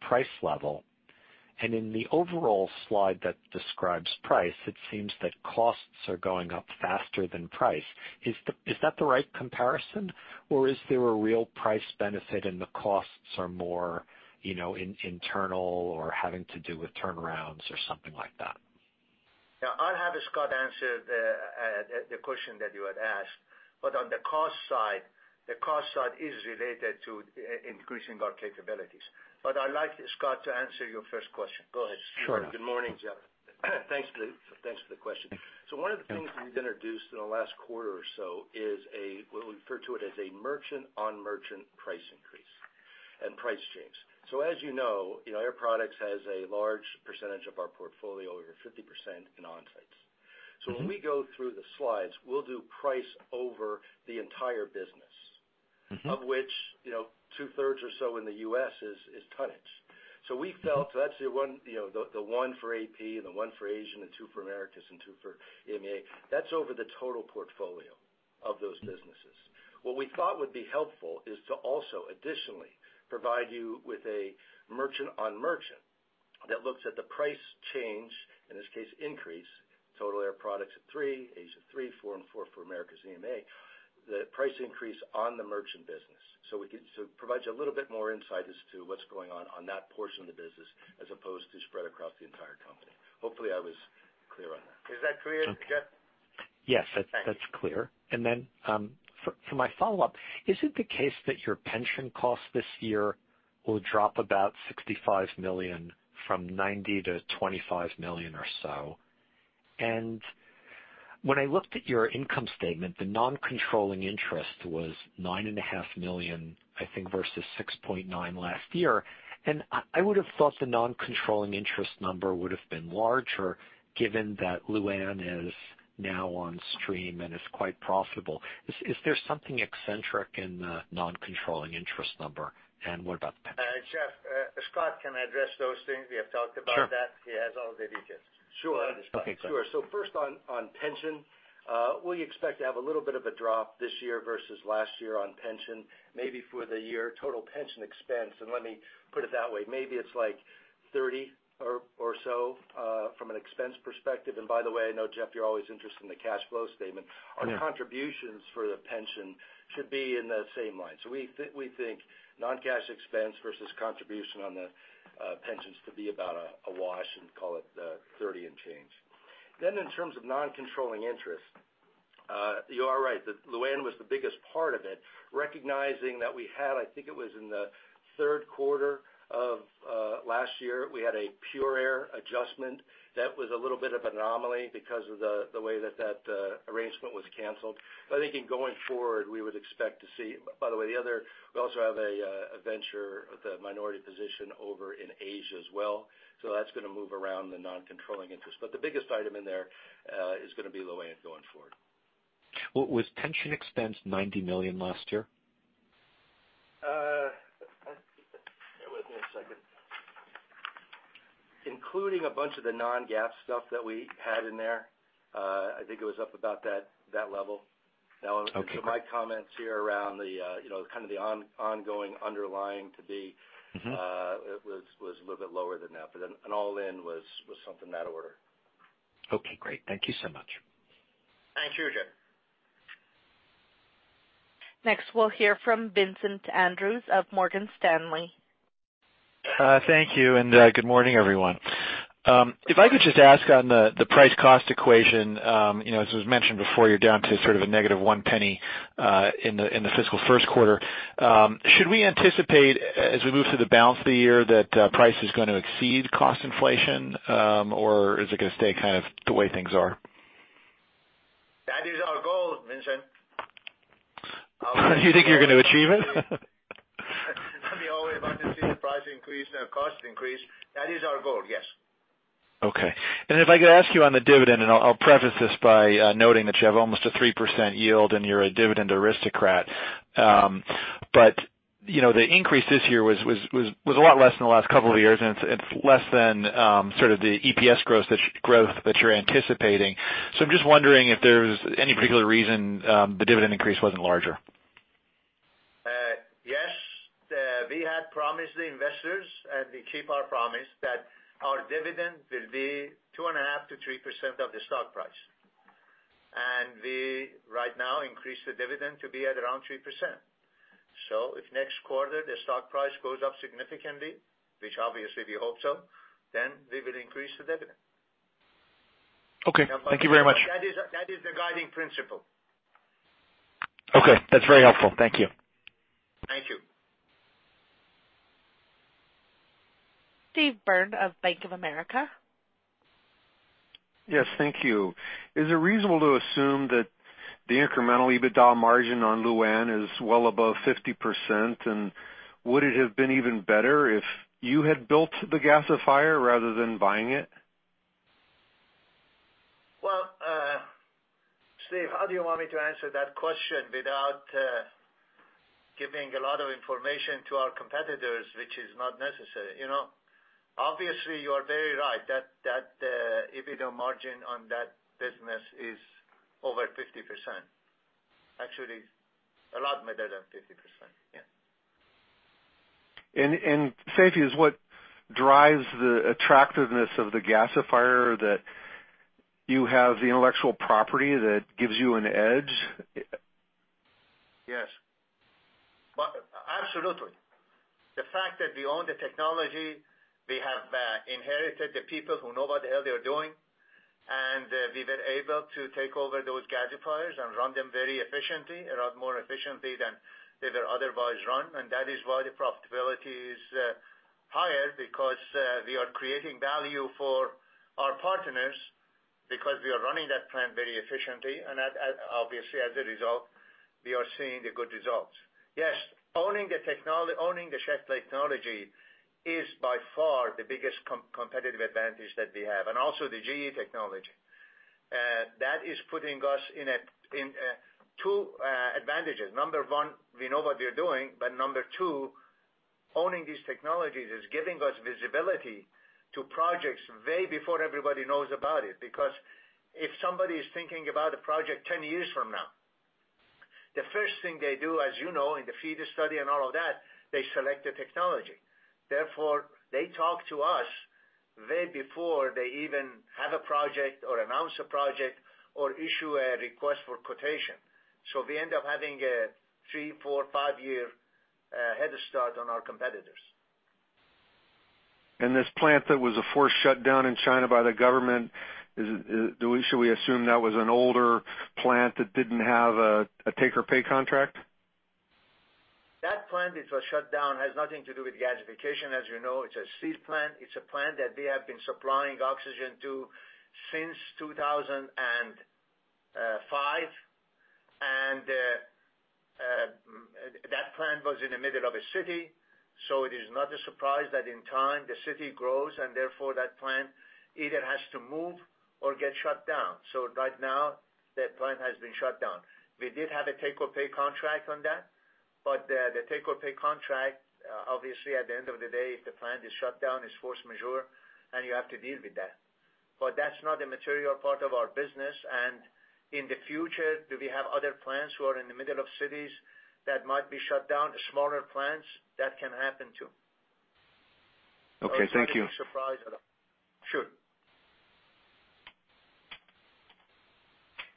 price level? In the overall slide that describes price, it seems that costs are going up faster than price. Is that the right comparison, or is there a real price benefit and the costs are more internal or having to do with turnarounds or something like that? Yeah. I'll have Scott answer the question that you had asked. On the cost side, the cost side is related to increasing our capabilities. I'd like Scott to answer your first question. Go ahead, Scott. Good morning, Jeff. Thanks for the question. One of the things we've introduced in the last quarter or so, we'll refer to it as a merchant on merchant price increase and price changes. As you know, Air Products has a large percentage of our portfolio, over 50%, in on-sites. When we go through the slides, we'll do price over the entire business. Of which 2/3 or so in the U.S. is tonnage. We felt that's the 1% for AP and the 1% for Asia and 2% for Americas and 2% for EMEA. That's over the total portfolio of those businesses. What we thought would be helpful is to also additionally provide you with a merchant on merchant that looks at the price change, in this case, increase, Total Air Products at 3%, Asia 3%, 4% and 4% for Americas/EMEA, the price increase on the merchant business. It provides you a little bit more insight as to what's going on that portion of the business, as opposed to spread across the entire company. Hopefully that was clear on that. Is that clear, Jeff? Yes. That's clear. For my follow-up, is it the case that your pension costs this year will drop about $65 million from $90 million to $25 million or so? When I looked at your income statement, the non-controlling interest was $9.5 million, I think, versus $6.9 million last year. I would have thought the non-controlling interest number would've been larger, given that Lu'An is now on stream and is quite profitable. Is there something eccentric in the non-controlling interest number? What about the pension? Jeff, Scott can address those things. We have talked about that. He has all the details. Go ahead, Scott. Sure. First on pension, we expect to have a little bit of a drop this year versus last year on pension, maybe for the year total pension expense. Let me put it that way. Maybe it's like 30 or so, from an expense perspective. By the way, I know, Jeff, you're always interested in the cash flow statement. Our contributions for the pension should be in the same line. We think non-cash expense versus contribution on the pensions to be about a wash, and call it 30 and change. In terms of non-controlling interest, you are right, that Lu'An was the biggest part of it. Recognizing that we had, I think it was in the third quarter of last year, we had a Pure Air adjustment. That was a little bit of anomaly because of the way that that arrangement was canceled. I think in going forward, we would expect to see. By the way, the other, we also have a venture with a minority position over in Asia as well. That's gonna move around the non-controlling interest. The biggest item in there, is gonna be Lu'An going forward. Was pension expense $90 million last year? Bear with me a second. Including a bunch of the non-GAAP stuff that we had in there, I think it was up about that level. My comments here around the ongoing underlying to be. Was a little bit lower than that. An all-in was something in that order. Okay, great. Thank you so much. Thank you, Jeff. Next, we'll hear from Vincent Andrews of Morgan Stanley. Good morning, everyone. If I could just ask on the price cost equation, as it was mentioned before, you're down to sort of a negative one penny in the fiscal first quarter. Should we anticipate, as we move through the balance of the year, that price is gonna exceed cost inflation? Is it gonna stay kind of the way things are? That is our goal, Vincent. Do you think you're going to achieve it? That we always want to see the price increase, no cost increase. That is our goal, yes. Okay. If I could ask you on the dividend, I'll preface this by noting that you have almost a 3% yield and you're a dividend aristocrat. The increase this year was a lot less than the last couple of years, and it's less than sort of the EPS growth that you're anticipating. I'm just wondering if there's any particular reason the dividend increase wasn't larger. Yes. We had promised the investors, we keep our promise, that our dividend will be 2.5%-3% of the stock price. We, right now, increase the dividend to be at around 3%. If next quarter the stock price goes up significantly, which obviously we hope so, we will increase the dividend. Okay. Thank you very much. That is the guiding principle. Okay. That's very helpful. Thank you. Thank you. Steve Byrne of Bank of America. Yes. Thank you. Is it reasonable to assume that the incremental EBITDA margin on Lu'An is well above 50%? Would it have been even better if you had built the gasifier rather than buying it? Well, Steve, how do you want me to answer that question without giving a lot of information to our competitors, which is not necessary? Obviously, you are very right. That EBITDA margin on that business is over 50%. Actually, a lot better than 50%. Yeah. Seifi, is what drives the attractiveness of the gasifier that you have the intellectual property that gives you an edge? Yes. Absolutely. The fact that we own the technology, we have inherited the people who know what the hell they're doing, we were able to take over those gasifiers and run them very efficiently, a lot more efficiently than they were otherwise run. That is why the profitability is higher, because we are creating value for our partners, because we are running that plant very efficiently. Obviously, as a result, we are seeing the good results. Yes, owning the Shell technology is by far the biggest competitive advantage that we have, and also the GE technology. That is putting us in two advantages. Number one, we know what we are doing, but number two, owning these technologies is giving us visibility to projects way before everybody knows about it. Because if somebody is thinking about a project 10 years from now, the first thing they do, as you know, in the feed study and all of that, they select the technology. Therefore, they talk to us way before they even have a project or announce a project or issue a request for quotation. We end up having a three, four, five-year head start on our competitors. This plant that was a forced shutdown in China by the government, should we assume that was an older plant that didn't have a take-or-pay contract? That plant that was shut down has nothing to do with gasification. You know, it's a [steel] plant. It's a plant that we have been supplying oxygen to since 2005. That plant was in the middle of a city. It is not a surprise that in time the city grows, and therefore that plant either has to move or get shut down. Right now, that plant has been shut down. We did have a take-or-pay contract on that, the take-or-pay contract, obviously at the end of the day, if the plant is shut down, is force majeure, and you have to deal with that. That's not a material part of our business. In the future, do we have other plants who are in the middle of cities that might be shut down? Smaller plants, that can happen too. Okay. Thank you.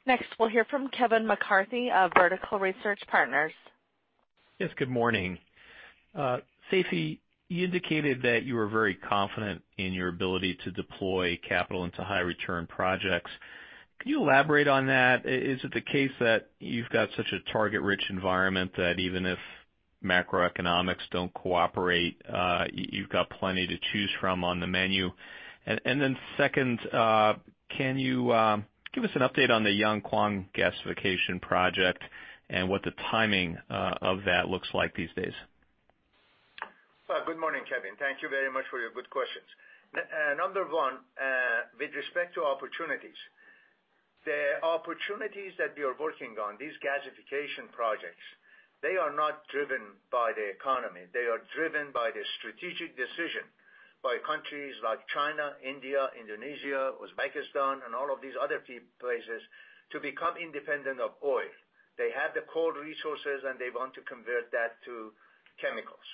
Next, we'll hear from Kevin McCarthy of Vertical Research Partners. Good morning. Seifi, you indicated that you were very confident in your ability to deploy capital into high-return projects. Can you elaborate on that? Is it the case that you've got such a target-rich environment that even if macroeconomics don't cooperate, you've got plenty to choose from on the menu? Second, can you give us an update on the Yankuang gasification project and what the timing of that looks like these days? Well, good morning, Kevin. Thank you very much for your good questions. Number one, with respect to opportunities. The opportunities that we are working on, these gasification projects, they are not driven by the economy. They are driven by the strategic decision by countries like China, India, Indonesia, Uzbekistan, and all of these other few places to become independent of oil. They have the coal resources, and they want to convert that to chemicals.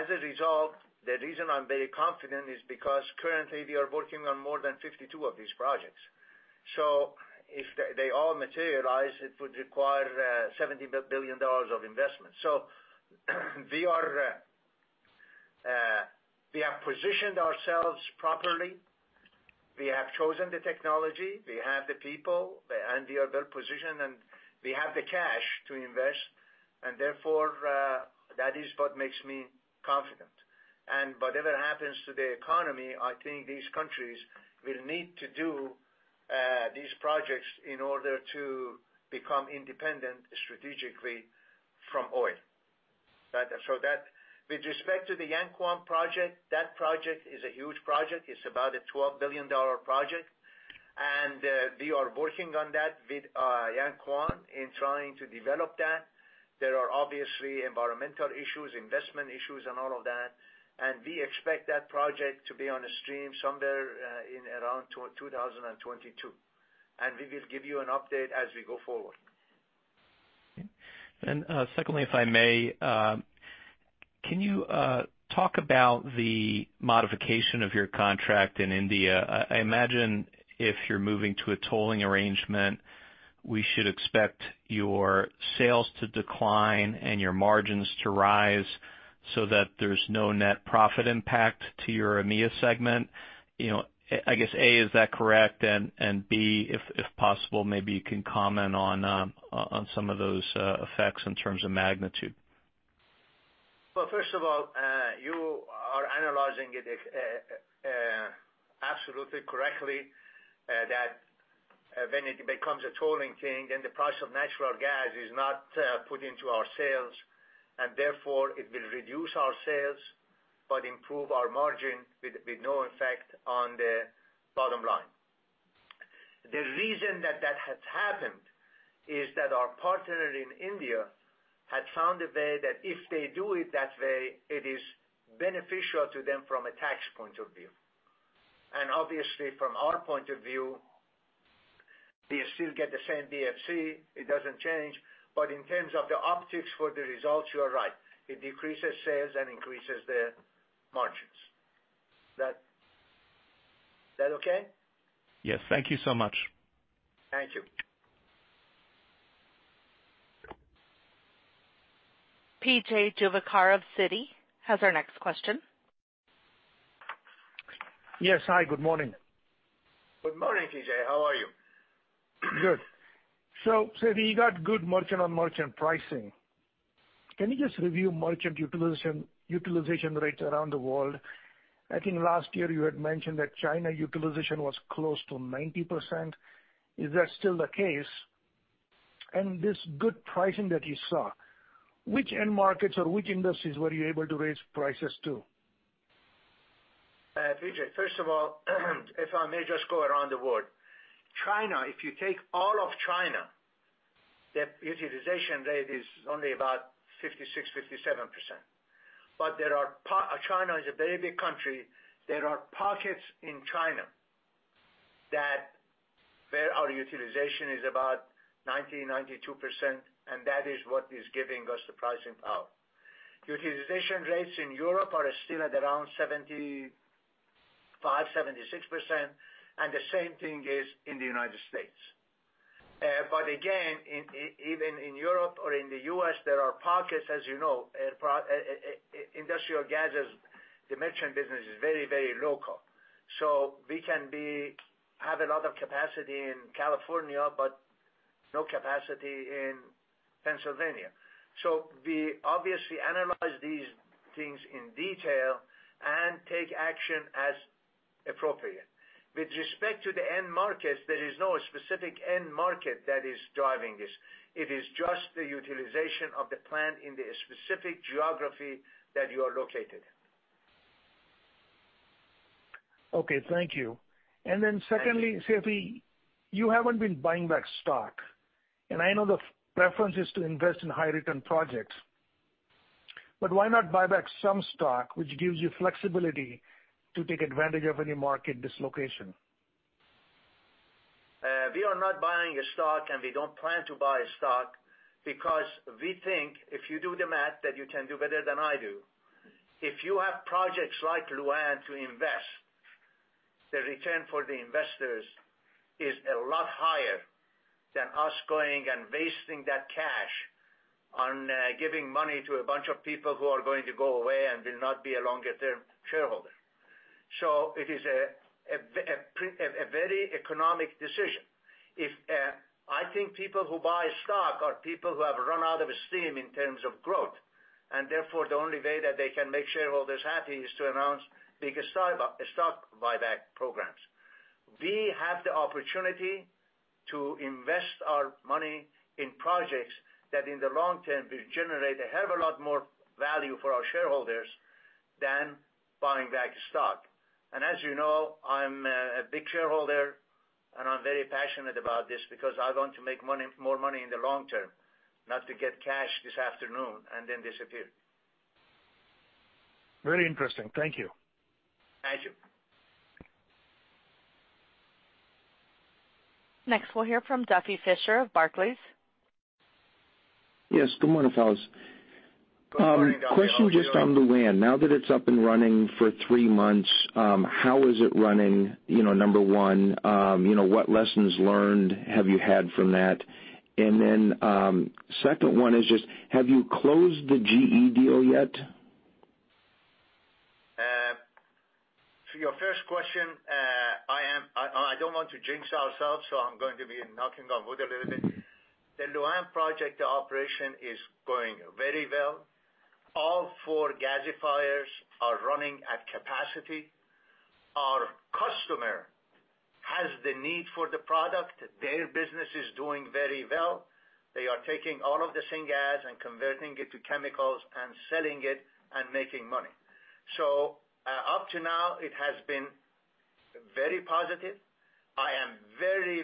As a result, the reason I'm very confident is because currently we are working on more than 52 of these projects. If they all materialize, it would require $70 billion of investment. We have positioned ourselves properly. We have chosen the technology, we have the people, and we are well-positioned, and we have the cash to invest, that is what makes me confident. Whatever happens to the economy, I think these countries will need to do these projects in order to become independent strategically from oil. With respect to the Yankuang project, that project is a huge project. It's about a $12 billion project, and we are working on that with Yankuang in trying to develop that. There are obviously environmental issues, investment issues, and all of that, and we expect that project to be on the stream somewhere in around 2022. We will give you an update as we go forward. Okay. Secondly, if I may, can you talk about the modification of your contract in India? I imagine if you're moving to a tolling arrangement, we should expect your sales to decline and your margins to rise so that there's no net profit impact to your EMEA segment. I guess, A, is that correct? B, if possible, maybe you can comment on some of those effects in terms of magnitude. Well, first of all, you are analyzing it absolutely correctly, that when it becomes a tolling thing, then the price of natural gas is not put into our sales. Therefore, it will reduce our sales but improve our margin with no effect on the bottom line. The reason that that has happened is that our partner in India had found a way that if they do it that way, it is beneficial to them from a tax point of view. Obviously, from our point of view, we still get the same DFC. It doesn't change. In terms of the optics for the results, you are right. It decreases sales and increases the margins. Is that okay? Yes. Thank you so much. Thank you. P.J. Juvekar of Citi has our next question. Yes. Hi, good morning. Good morning, P.J. How are you? Good. Seifi, you got good merchant-on-merchant pricing. Can you just review merchant utilization rates around the world? I think last year you had mentioned that China utilization was close to 90%. Is that still the case? This good pricing that you saw, which end markets or which industries were you able to raise prices to? P.J, first of all, if I may just go around the world. China, if you take all of China, their utilization rate is only about 56%, 57%. China is a very big country. There are pockets in China where our utilization is about 90%, 92%, and that is what is giving us the pricing power. Utilization rates in Europe are still at around 75%, 76%, and the same thing is in the United States. Again, even in Europe or in the U.S., there are pockets, as you know, industrial gases distribution business is very local. We can have a lot of capacity in California, but no capacity in Pennsylvania. We obviously analyze these things in detail and take action as appropriate. With respect to the end markets, there is no specific end market that is driving this. It is just the utilization of the plant in the specific geography that you are located in. Okay, thank you. Secondly, Seifi, you haven't been buying back stock, and I know the preference is to invest in high-return projects. Why not buy back some stock, which gives you flexibility to take advantage of any market dislocation? We are not buying a stock, and we don't plan to buy a stock because we think, if you do the math, that you can do better than I do. If you have projects like Lu'An to invest, the return for the investors is a lot higher than us going and wasting that cash on giving money to a bunch of people who are going to go away and will not be a longer-term shareholder. It is a very economic decision. I think people who buy stock are people who have run out of steam in terms of growth, and therefore, the only way that they can make shareholders happy is to announce bigger stock buyback programs. We have the opportunity to invest our money in projects that in the long term will generate a hell of a lot more value for our shareholders than buying back stock. As you know, I'm a big shareholder, and I'm very passionate about this because I want to make more money in the long term, not to get cash this afternoon and then disappear. Very interesting. Thank you. Thank you. Next, we'll hear from Duffy Fischer of Barclays. Yes, good morning, fellas. Good morning, Duffy. How are you? Question just on Lu'An. Now that it's up and running for three months, how is it running? Number one, what lessons learned have you had from that? Then, second one is just, have you closed the GE deal yet? To your first question, I don't want to jinx ourselves, I'm going to be knocking on wood a little bit. The Lu'An project operation is going very well. All four gasifiers are running at capacity. Our customer has the need for the product. Their business is doing very well. They are taking all of the syngas and converting it to chemicals and selling it and making money. Up to now, it has been very positive. I am very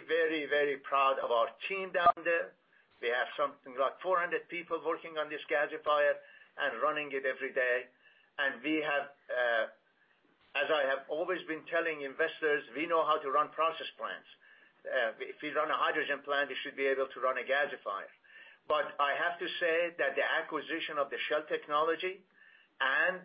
proud of our team down there. We have something like 400 people working on this gasifier and running it every day. As I have always been telling investors, we know how to run process plants. If you run a hydrogen plant, you should be able to run a gasifier. I have to say that the acquisition of the Shell technology and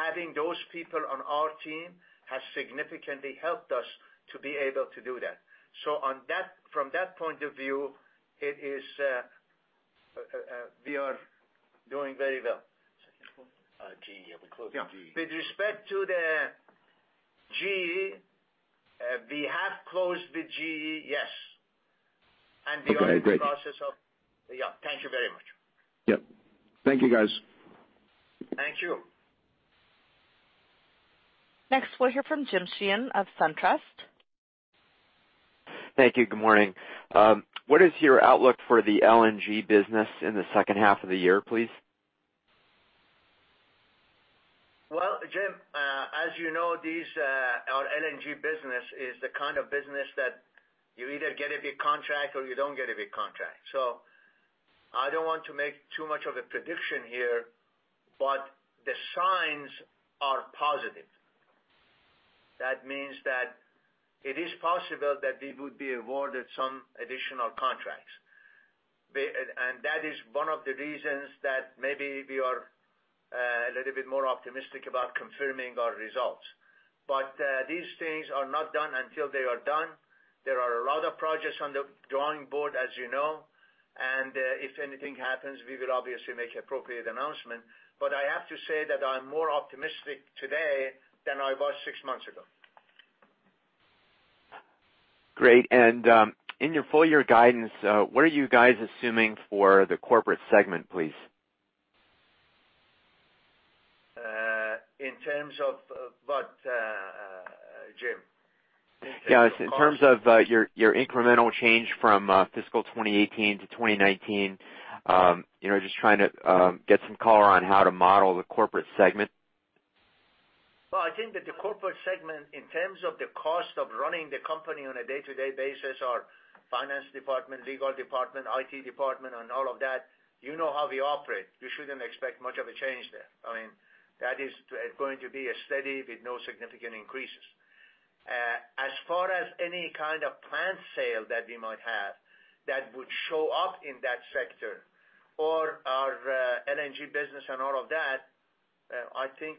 having those people on our team has significantly helped us to be able to do that. From that point of view, we are doing very well. Second one? GE, we closed the GE. Yeah. With respect to the GE, we have closed the GE, yes. Okay, great. We are in the process. Yeah. Thank you very much. Yep. Thank you, guys. Thank you. Next, we'll hear from Jim Sheehan of SunTrust. Thank you. Good morning. What is your outlook for the LNG business in the second half of the year, please? Well, Jim, as you know, our LNG business is the kind of business that you either get a big contract or you don't get a big contract. I don't want to make too much of a prediction here, but the signs are positive. That means that it is possible that we would be awarded some additional contracts. That is one of the reasons that maybe we are a little bit more optimistic about confirming our results. These things are not done until they are done. There are a lot of projects on the drawing board, as you know. If anything happens, we will obviously make appropriate announcement. I have to say that I'm more optimistic today than I was six months ago. Great. In your full-year guidance, what are you guys assuming for the corporate segment, please? In terms of what, Jim? Yes, in terms of your incremental change from fiscal 2018 to 2019. Just trying to get some color on how to model the corporate segment. Well, I think that the corporate segment, in terms of the cost of running the company on a day-to-day basis, our finance department, legal department, IT department, and all of that, you know how we operate. You shouldn't expect much of a change there. That is going to be steady with no significant increases. As far as any kind of plant sale that we might have that would show up in that sector or our LNG business and all of that, I think,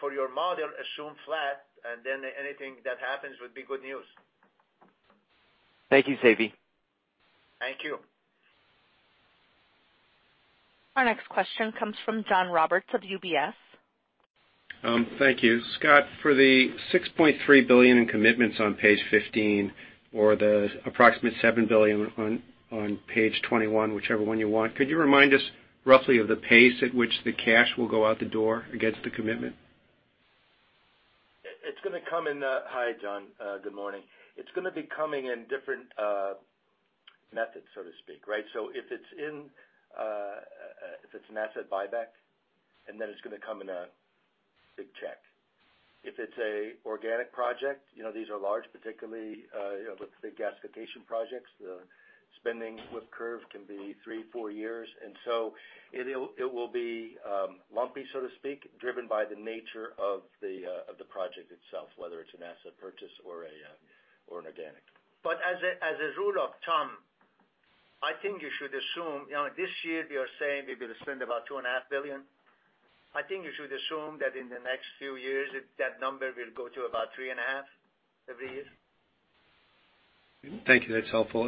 for your model, assume flat, and then anything that happens would be good news. Thank you, Seifi. Thank you. Our next question comes from John Roberts of UBS. Thank you. Scott, for the $6.3 billion in commitments on page 15 or the approximate $7 billion on page 21, whichever one you want, could you remind us roughly of the pace at which the cash will go out the door against the commitment? Hi, John. Good morning. It's going to be coming in different methods, so to speak, right? If it's an asset buyback, it's going to come in a big check. If it's an organic project, these are large, particularly with the gasification projects. The spending with curve can be three, four years. It will be lumpy, so to speak, driven by the nature of the project itself, whether it's an asset purchase or an organic. But as a rule of thumb, I think you should assume, this year we are saying we will spend about $2.5 billion. I think you should assume that in the next few years, that number will go to about $3.5 billion Every year. Thank you. That's helpful.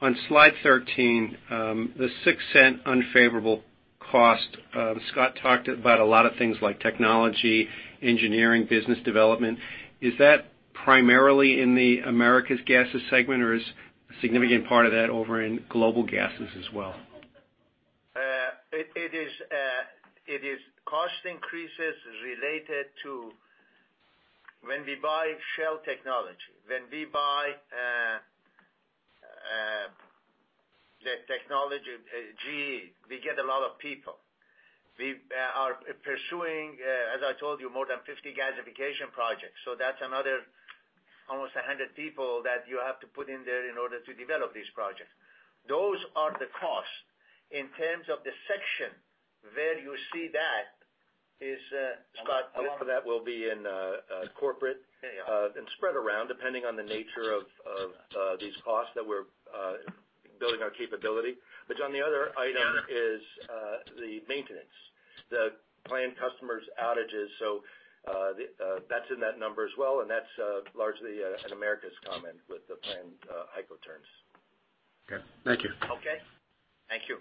On slide 13, the $0.06 unfavorable cost. Scott talked about a lot of things like technology, engineering, business development. Is that primarily in the Americas Gases segment, or is a significant part of that over in Global Gases as well? It is cost increases related to when we buy Shell technology, when we buy the technology, GE, we get a lot of people. We are pursuing, as I told you, more than 50 gasification projects. That's another almost 100 people that you have to put in there in order to develop these projects. Those are the costs. In terms of the section where you see that is, Scott? A lot of that will be in corporate and spread around depending on the nature of these costs that we're building our capability. John, the other item is the maintenance, the planned customers outages. That's in that number as well, and that's largely an Americas comment with the planned HyCO turnarounds. Okay. Thank you. Okay. Thank you.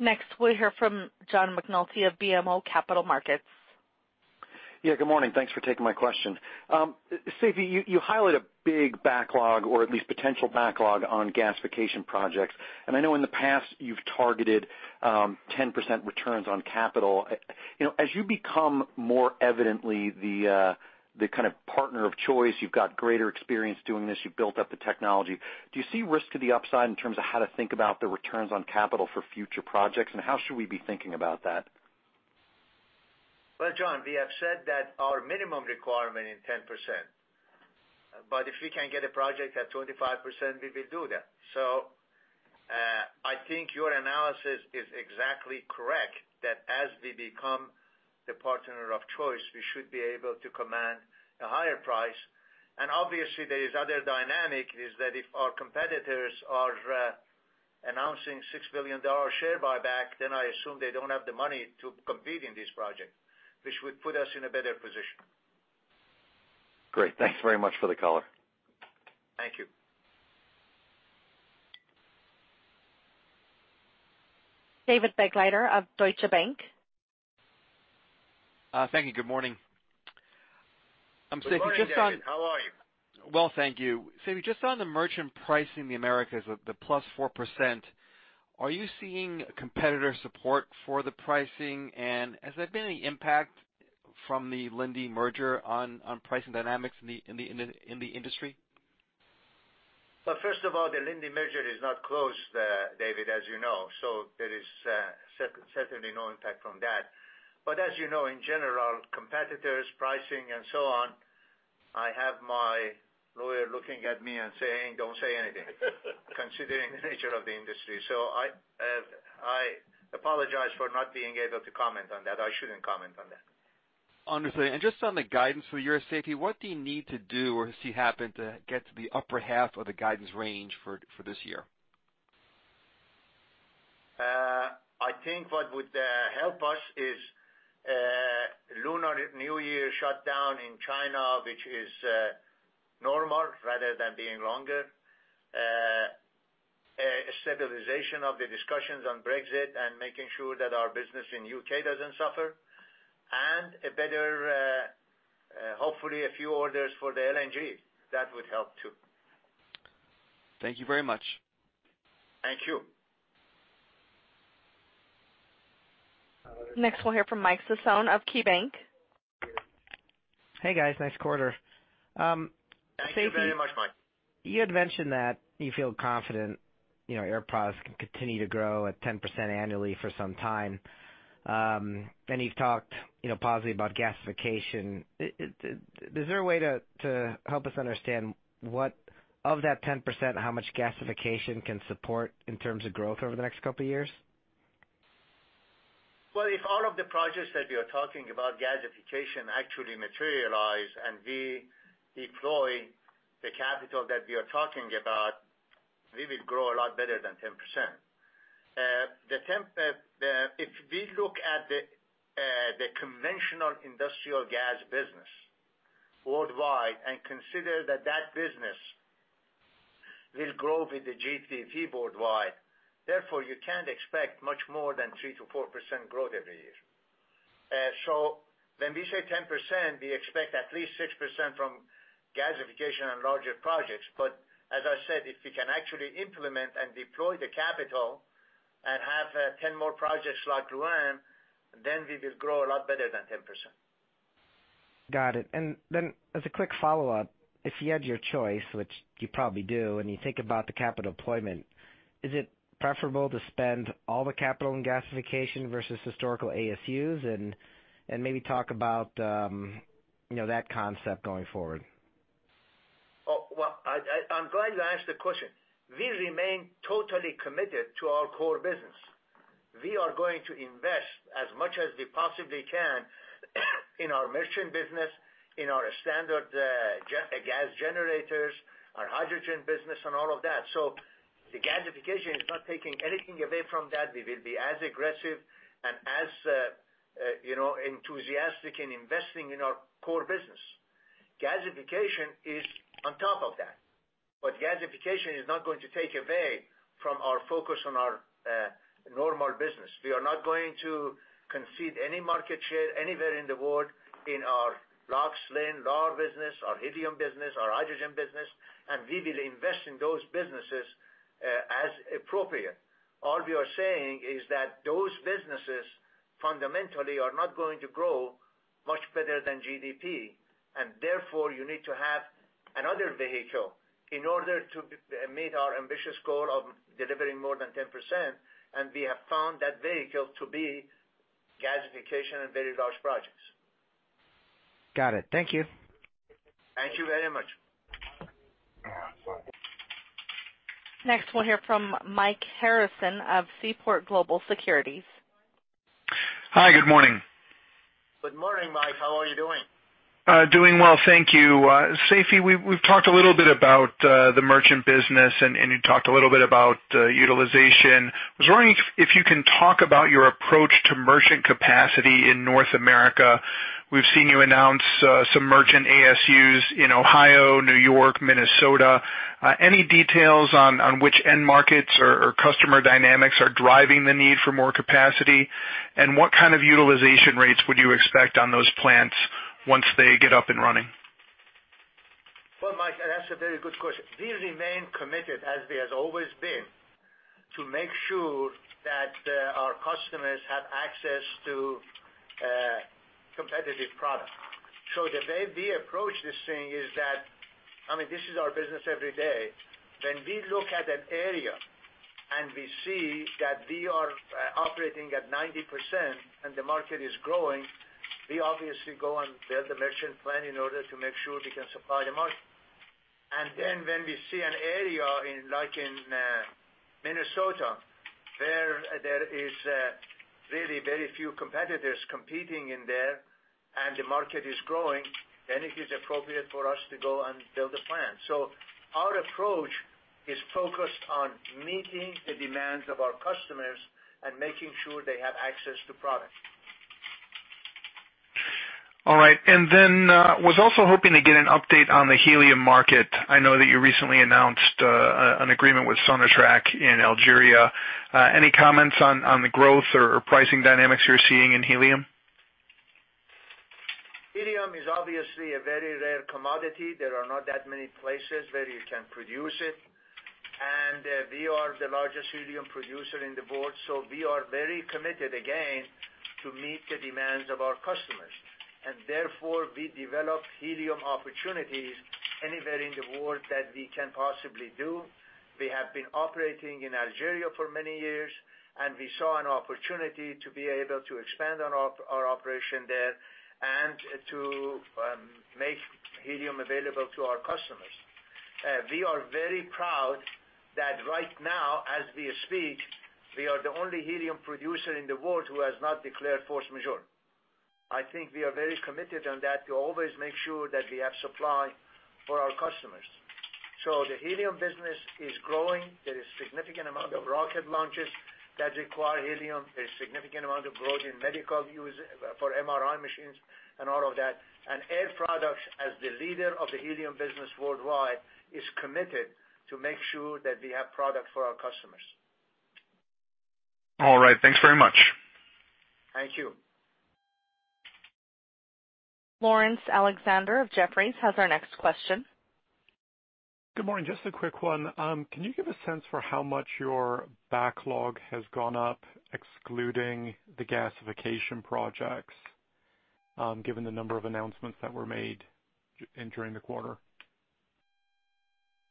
Next, we'll hear from John McNulty of BMO Capital Markets. Yeah, good morning. Thanks for taking my question. Seifi, you highlight a big backlog or at least potential backlog on gasification projects. I know in the past you've targeted 10% returns on capital. As you become more evidently the kind of partner of choice, you've got greater experience doing this, you've built up the technology. Do you see risk to the upside in terms of how to think about the returns on capital for future projects, and how should we be thinking about that? Well, John, we have said that our minimum requirement is 10%, but if we can get a project at 25%, we will do that. I think your analysis is exactly correct, that as we become the partner of choice, we should be able to command a higher price. Obviously there is other dynamic is that if our competitors are announcing $6 billion share buyback, then I assume they don't have the money to compete in this project, which would put us in a better position. Great. Thanks very much for the color. Thank you. David Begleiter of Deutsche Bank. Thank you. Good morning. Good morning, David. How are you? Well, thank you. Seifi, just on the merchant pricing in the Americas with the +4%, are you seeing competitor support for the pricing? Has there been any impact from the Linde merger on pricing dynamics in the industry? Well, first of all, the Linde merger is not closed, David, as you know, there is certainly no impact from that. As you know, in general, competitors, pricing, and so on, I have my lawyer looking at me and saying, "Don't say anything," considering the nature of the industry. I apologize for not being able to comment on that. I shouldn't comment on that. Understood. Just on the guidance for you, Seifi, what do you need to do or see happen to get to the upper half of the guidance range for this year? I think what would help us is Lunar New Year shutdown in China, which is normal rather than being longer. Of the discussions on Brexit and making sure that our business in U.K. doesn't suffer, and hopefully a few orders for the LNG. That would help too. Thank you very much. Thank you. Next, we'll hear from Mike Sison of KeyBanc. Hey, guys. Nice quarter. Thank you very much, Mike. You had mentioned that you feel confident Air Products can continue to grow at 10% annually for some time. You've talked positively about gasification. Is there a way to help us understand, of that 10%, how much gasification can support in terms of growth over the next couple of years? Well, if all of the projects that we are talking about gasification actually materialize, and we deploy the capital that we are talking about, we will grow a lot better than 10%. If we look at the conventional industrial gas business worldwide and consider that that business will grow with the GDP worldwide, therefore you can't expect much more than 3%-4% growth every year. When we say 10%, we expect at least 6% from gasification and larger projects. As I said, if we can actually implement and deploy the capital and have 10 more projects like Lu'An, then we will grow a lot better than 10%. Got it. As a quick follow-up, if you had your choice, which you probably do, you think about the capital deployment, is it preferable to spend all the capital in gasification versus historical ASUs? Maybe talk about that concept going forward. Well, I'm glad you asked the question. We remain totally committed to our core business. We are going to invest as much as we possibly can in our merchant business, in our standard gas generators, our hydrogen business, and all of that. The gasification is not taking anything away from that. We will be as aggressive and as enthusiastic in investing in our core business. Gasification is on top of that. Gasification is not going to take away from our focus on our normal business. We are not going to concede any market share anywhere in the world, in our large-scale LAR business, our helium business, our hydrogen business, and we will invest in those businesses as appropriate. All we are saying is that those businesses fundamentally are not going to grow much better than GDP, therefore, you need to have another vehicle in order to meet our ambitious goal of delivering more than 10%, we have found that vehicle to be gasification and very large projects. Got it. Thank you. Thank you very much. Next, we'll hear from Mike Harrison of Seaport Global Securities. Hi, good morning. Good morning, Mike. How are you doing? Doing well, thank you. Seifi, we've talked a little bit about the merchant business, and you talked a little bit about utilization. I was wondering if you can talk about your approach to merchant capacity in North America. We've seen you announce some merchant ASUs in Ohio, New York, Minnesota. Any details on which end markets or customer dynamics are driving the need for more capacity? What kind of utilization rates would you expect on those plants once they get up and running? Well, Mike, that's a very good question. We remain committed, as we have always been, to make sure that our customers have access to a competitive product. The way we approach this thing is that, this is our business every day. When we look at an area and we see that we are operating at 90% and the market is growing, we obviously go and build a merchant plan in order to make sure we can supply the market. When we see an area like in Minnesota where there is really very few competitors competing in there and the market is growing, then it is appropriate for us to go and build a plan. Our approach is focused on meeting the demands of our customers and making sure they have access to product. All right. I was also hoping to get an update on the helium market. I know that you recently announced an agreement with Sonatrach in Algeria. Any comments on the growth or pricing dynamics you're seeing in helium? Helium is obviously a very rare commodity. There are not that many places where you can produce it. We are the largest helium producer in the world, so we are very committed, again, to meet the demands of our customers. Therefore, we develop helium opportunities anywhere in the world that we can possibly do. We have been operating in Algeria for many years, and we saw an opportunity to be able to expand on our operation there and to make helium available to our customers. We are very proud that right now, as we speak, we are the only helium producer in the world who has not declared force majeure. I think we are very committed on that to always make sure that we have supply for our customers. The helium business is growing. There is significant amount of rocket launches that require helium, a significant amount of growth in medical use for MRI machines and all of that. Air Products, as the leader of the helium business worldwide, is committed to make sure that we have product for our customers. All right. Thanks very much. Thank you. Laurence Alexander of Jefferies has our next question. Good morning. Just a quick one. Can you give a sense for how much your backlog has gone up excluding the gasification projects, given the number of announcements that were made during the quarter?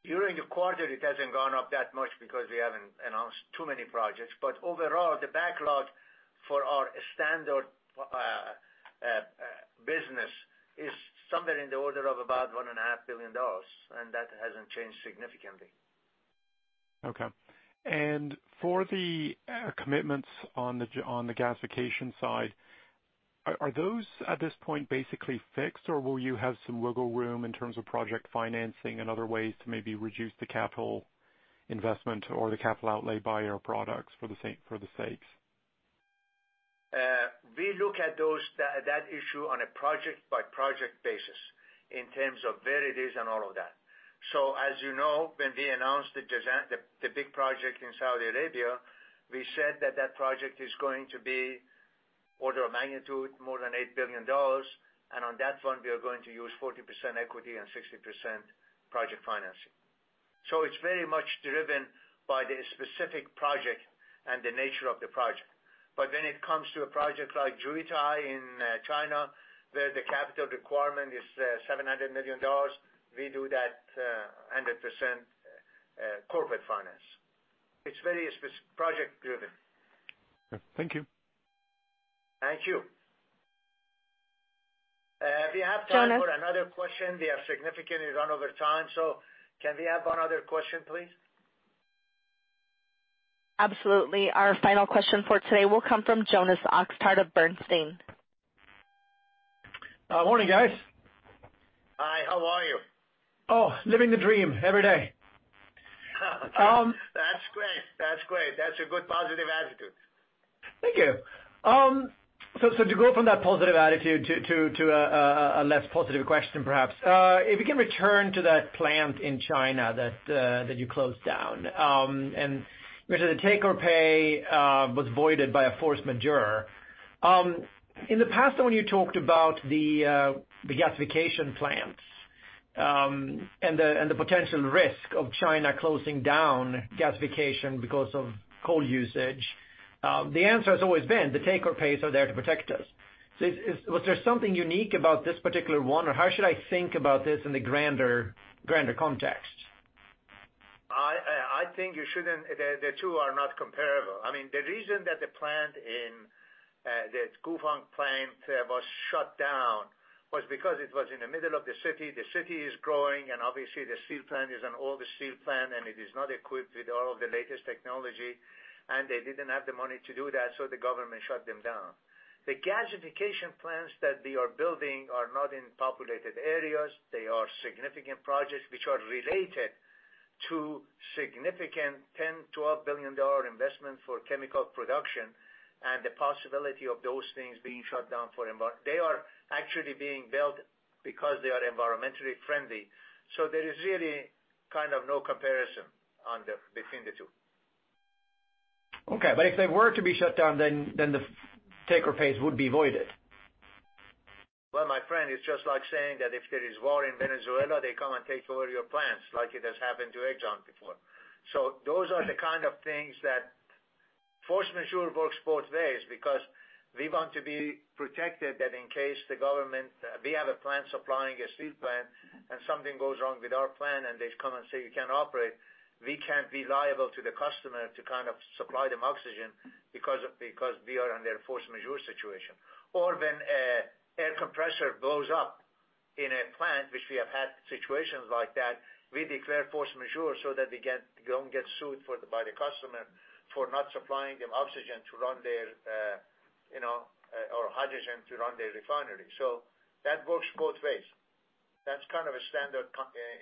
During the quarter, it hasn't gone up that much because we haven't announced too many projects. Overall, the backlog for our standard business is somewhere in the order of about $1.5 billion, and that hasn't changed significantly. Okay. For the commitments on the gasification side, are those at this point basically fixed, or will you have some wiggle room in terms of project financing and other ways to maybe reduce the capital investment or the capital outlay by Air Products for the sakes? We look at that issue on a project-by-project basis in terms of where it is and all of that. As you know, when we announced the big project in Saudi Arabia, we said that project is going to be order of magnitude more than $8 billion. On that one, we are going to use 40% equity and 60% project financing. It's very much driven by the specific project and the nature of the project. When it comes to a project like Jiutai in China, where the capital requirement is $700 million, we do that 100% corporate finance. It's very project driven. Thank you. Thank you. If we have time for another question, we have significantly run over time, so can we have one other question, please? Absolutely. Our final question for today will come from Jonas Oxgaard of Bernstein. Morning, guys. Hi, how are you? Oh, living the dream every day. That's great. That's a good positive attitude. Thank you. To go from that positive attitude to a less positive question, perhaps. If we can return to that plant in China that you closed down, and which the take-or-pay was voided by a force majeure. In the past, when you talked about the gasification plants, and the potential risk of China closing down gasification because of coal usage, the answer has always been the take-or-pays are there to protect us. Was there something unique about this particular one, or how should I think about this in the grander context? I think the two are not comparable. I mean, the reason that the Guang plant was shut down was because it was in the middle of the city. The city is growing, and obviously, the steel plant is an older steel plant, and it is not equipped with all of the latest technology, and they didn't have the money to do that, so the government shut them down. The gasification plants that we are building are not in populated areas. They are significant projects which are related to significant $10 billion, $12 billion investment for chemical production and the possibility of those things being shut down. They are actually being built because they are environmentally friendly. There is really no comparison between the two. Okay. If they were to be shut down, the take-or-pays would be voided? Well, my friend, it's just like saying that if there is war in Venezuela, they come and take over your plants like it has happened to Exxon before. Those are the kind of things that force majeure works both ways because we want to be protected that in case the government. We have a plant supplying a steel plant, and something goes wrong with our plant and they come and say, "You can't operate," we can't be liable to the customer to supply them oxygen because we are under a force majeure situation. When an air compressor blows up in a plant, which we have had situations like that, we declare force majeure so that we don't get sued by the customer for not supplying them oxygen or hydrogen to run their refinery. That works both ways. That's a standard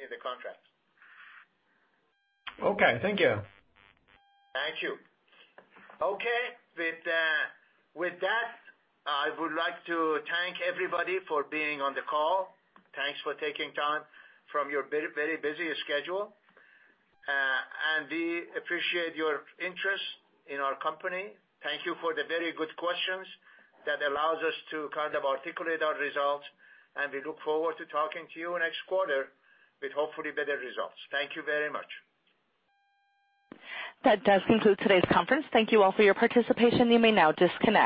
in the contract. Okay, thank you. Thank you. Okay, with that, I would like to thank everybody for being on the call. Thanks for taking time from your very busy schedule. We appreciate your interest in our company. Thank you for the very good questions that allows us to articulate our results, and we look forward to talking to you next quarter with hopefully better results. Thank you very much. That does conclude today's conference. Thank you all for your participation. You may now disconnect.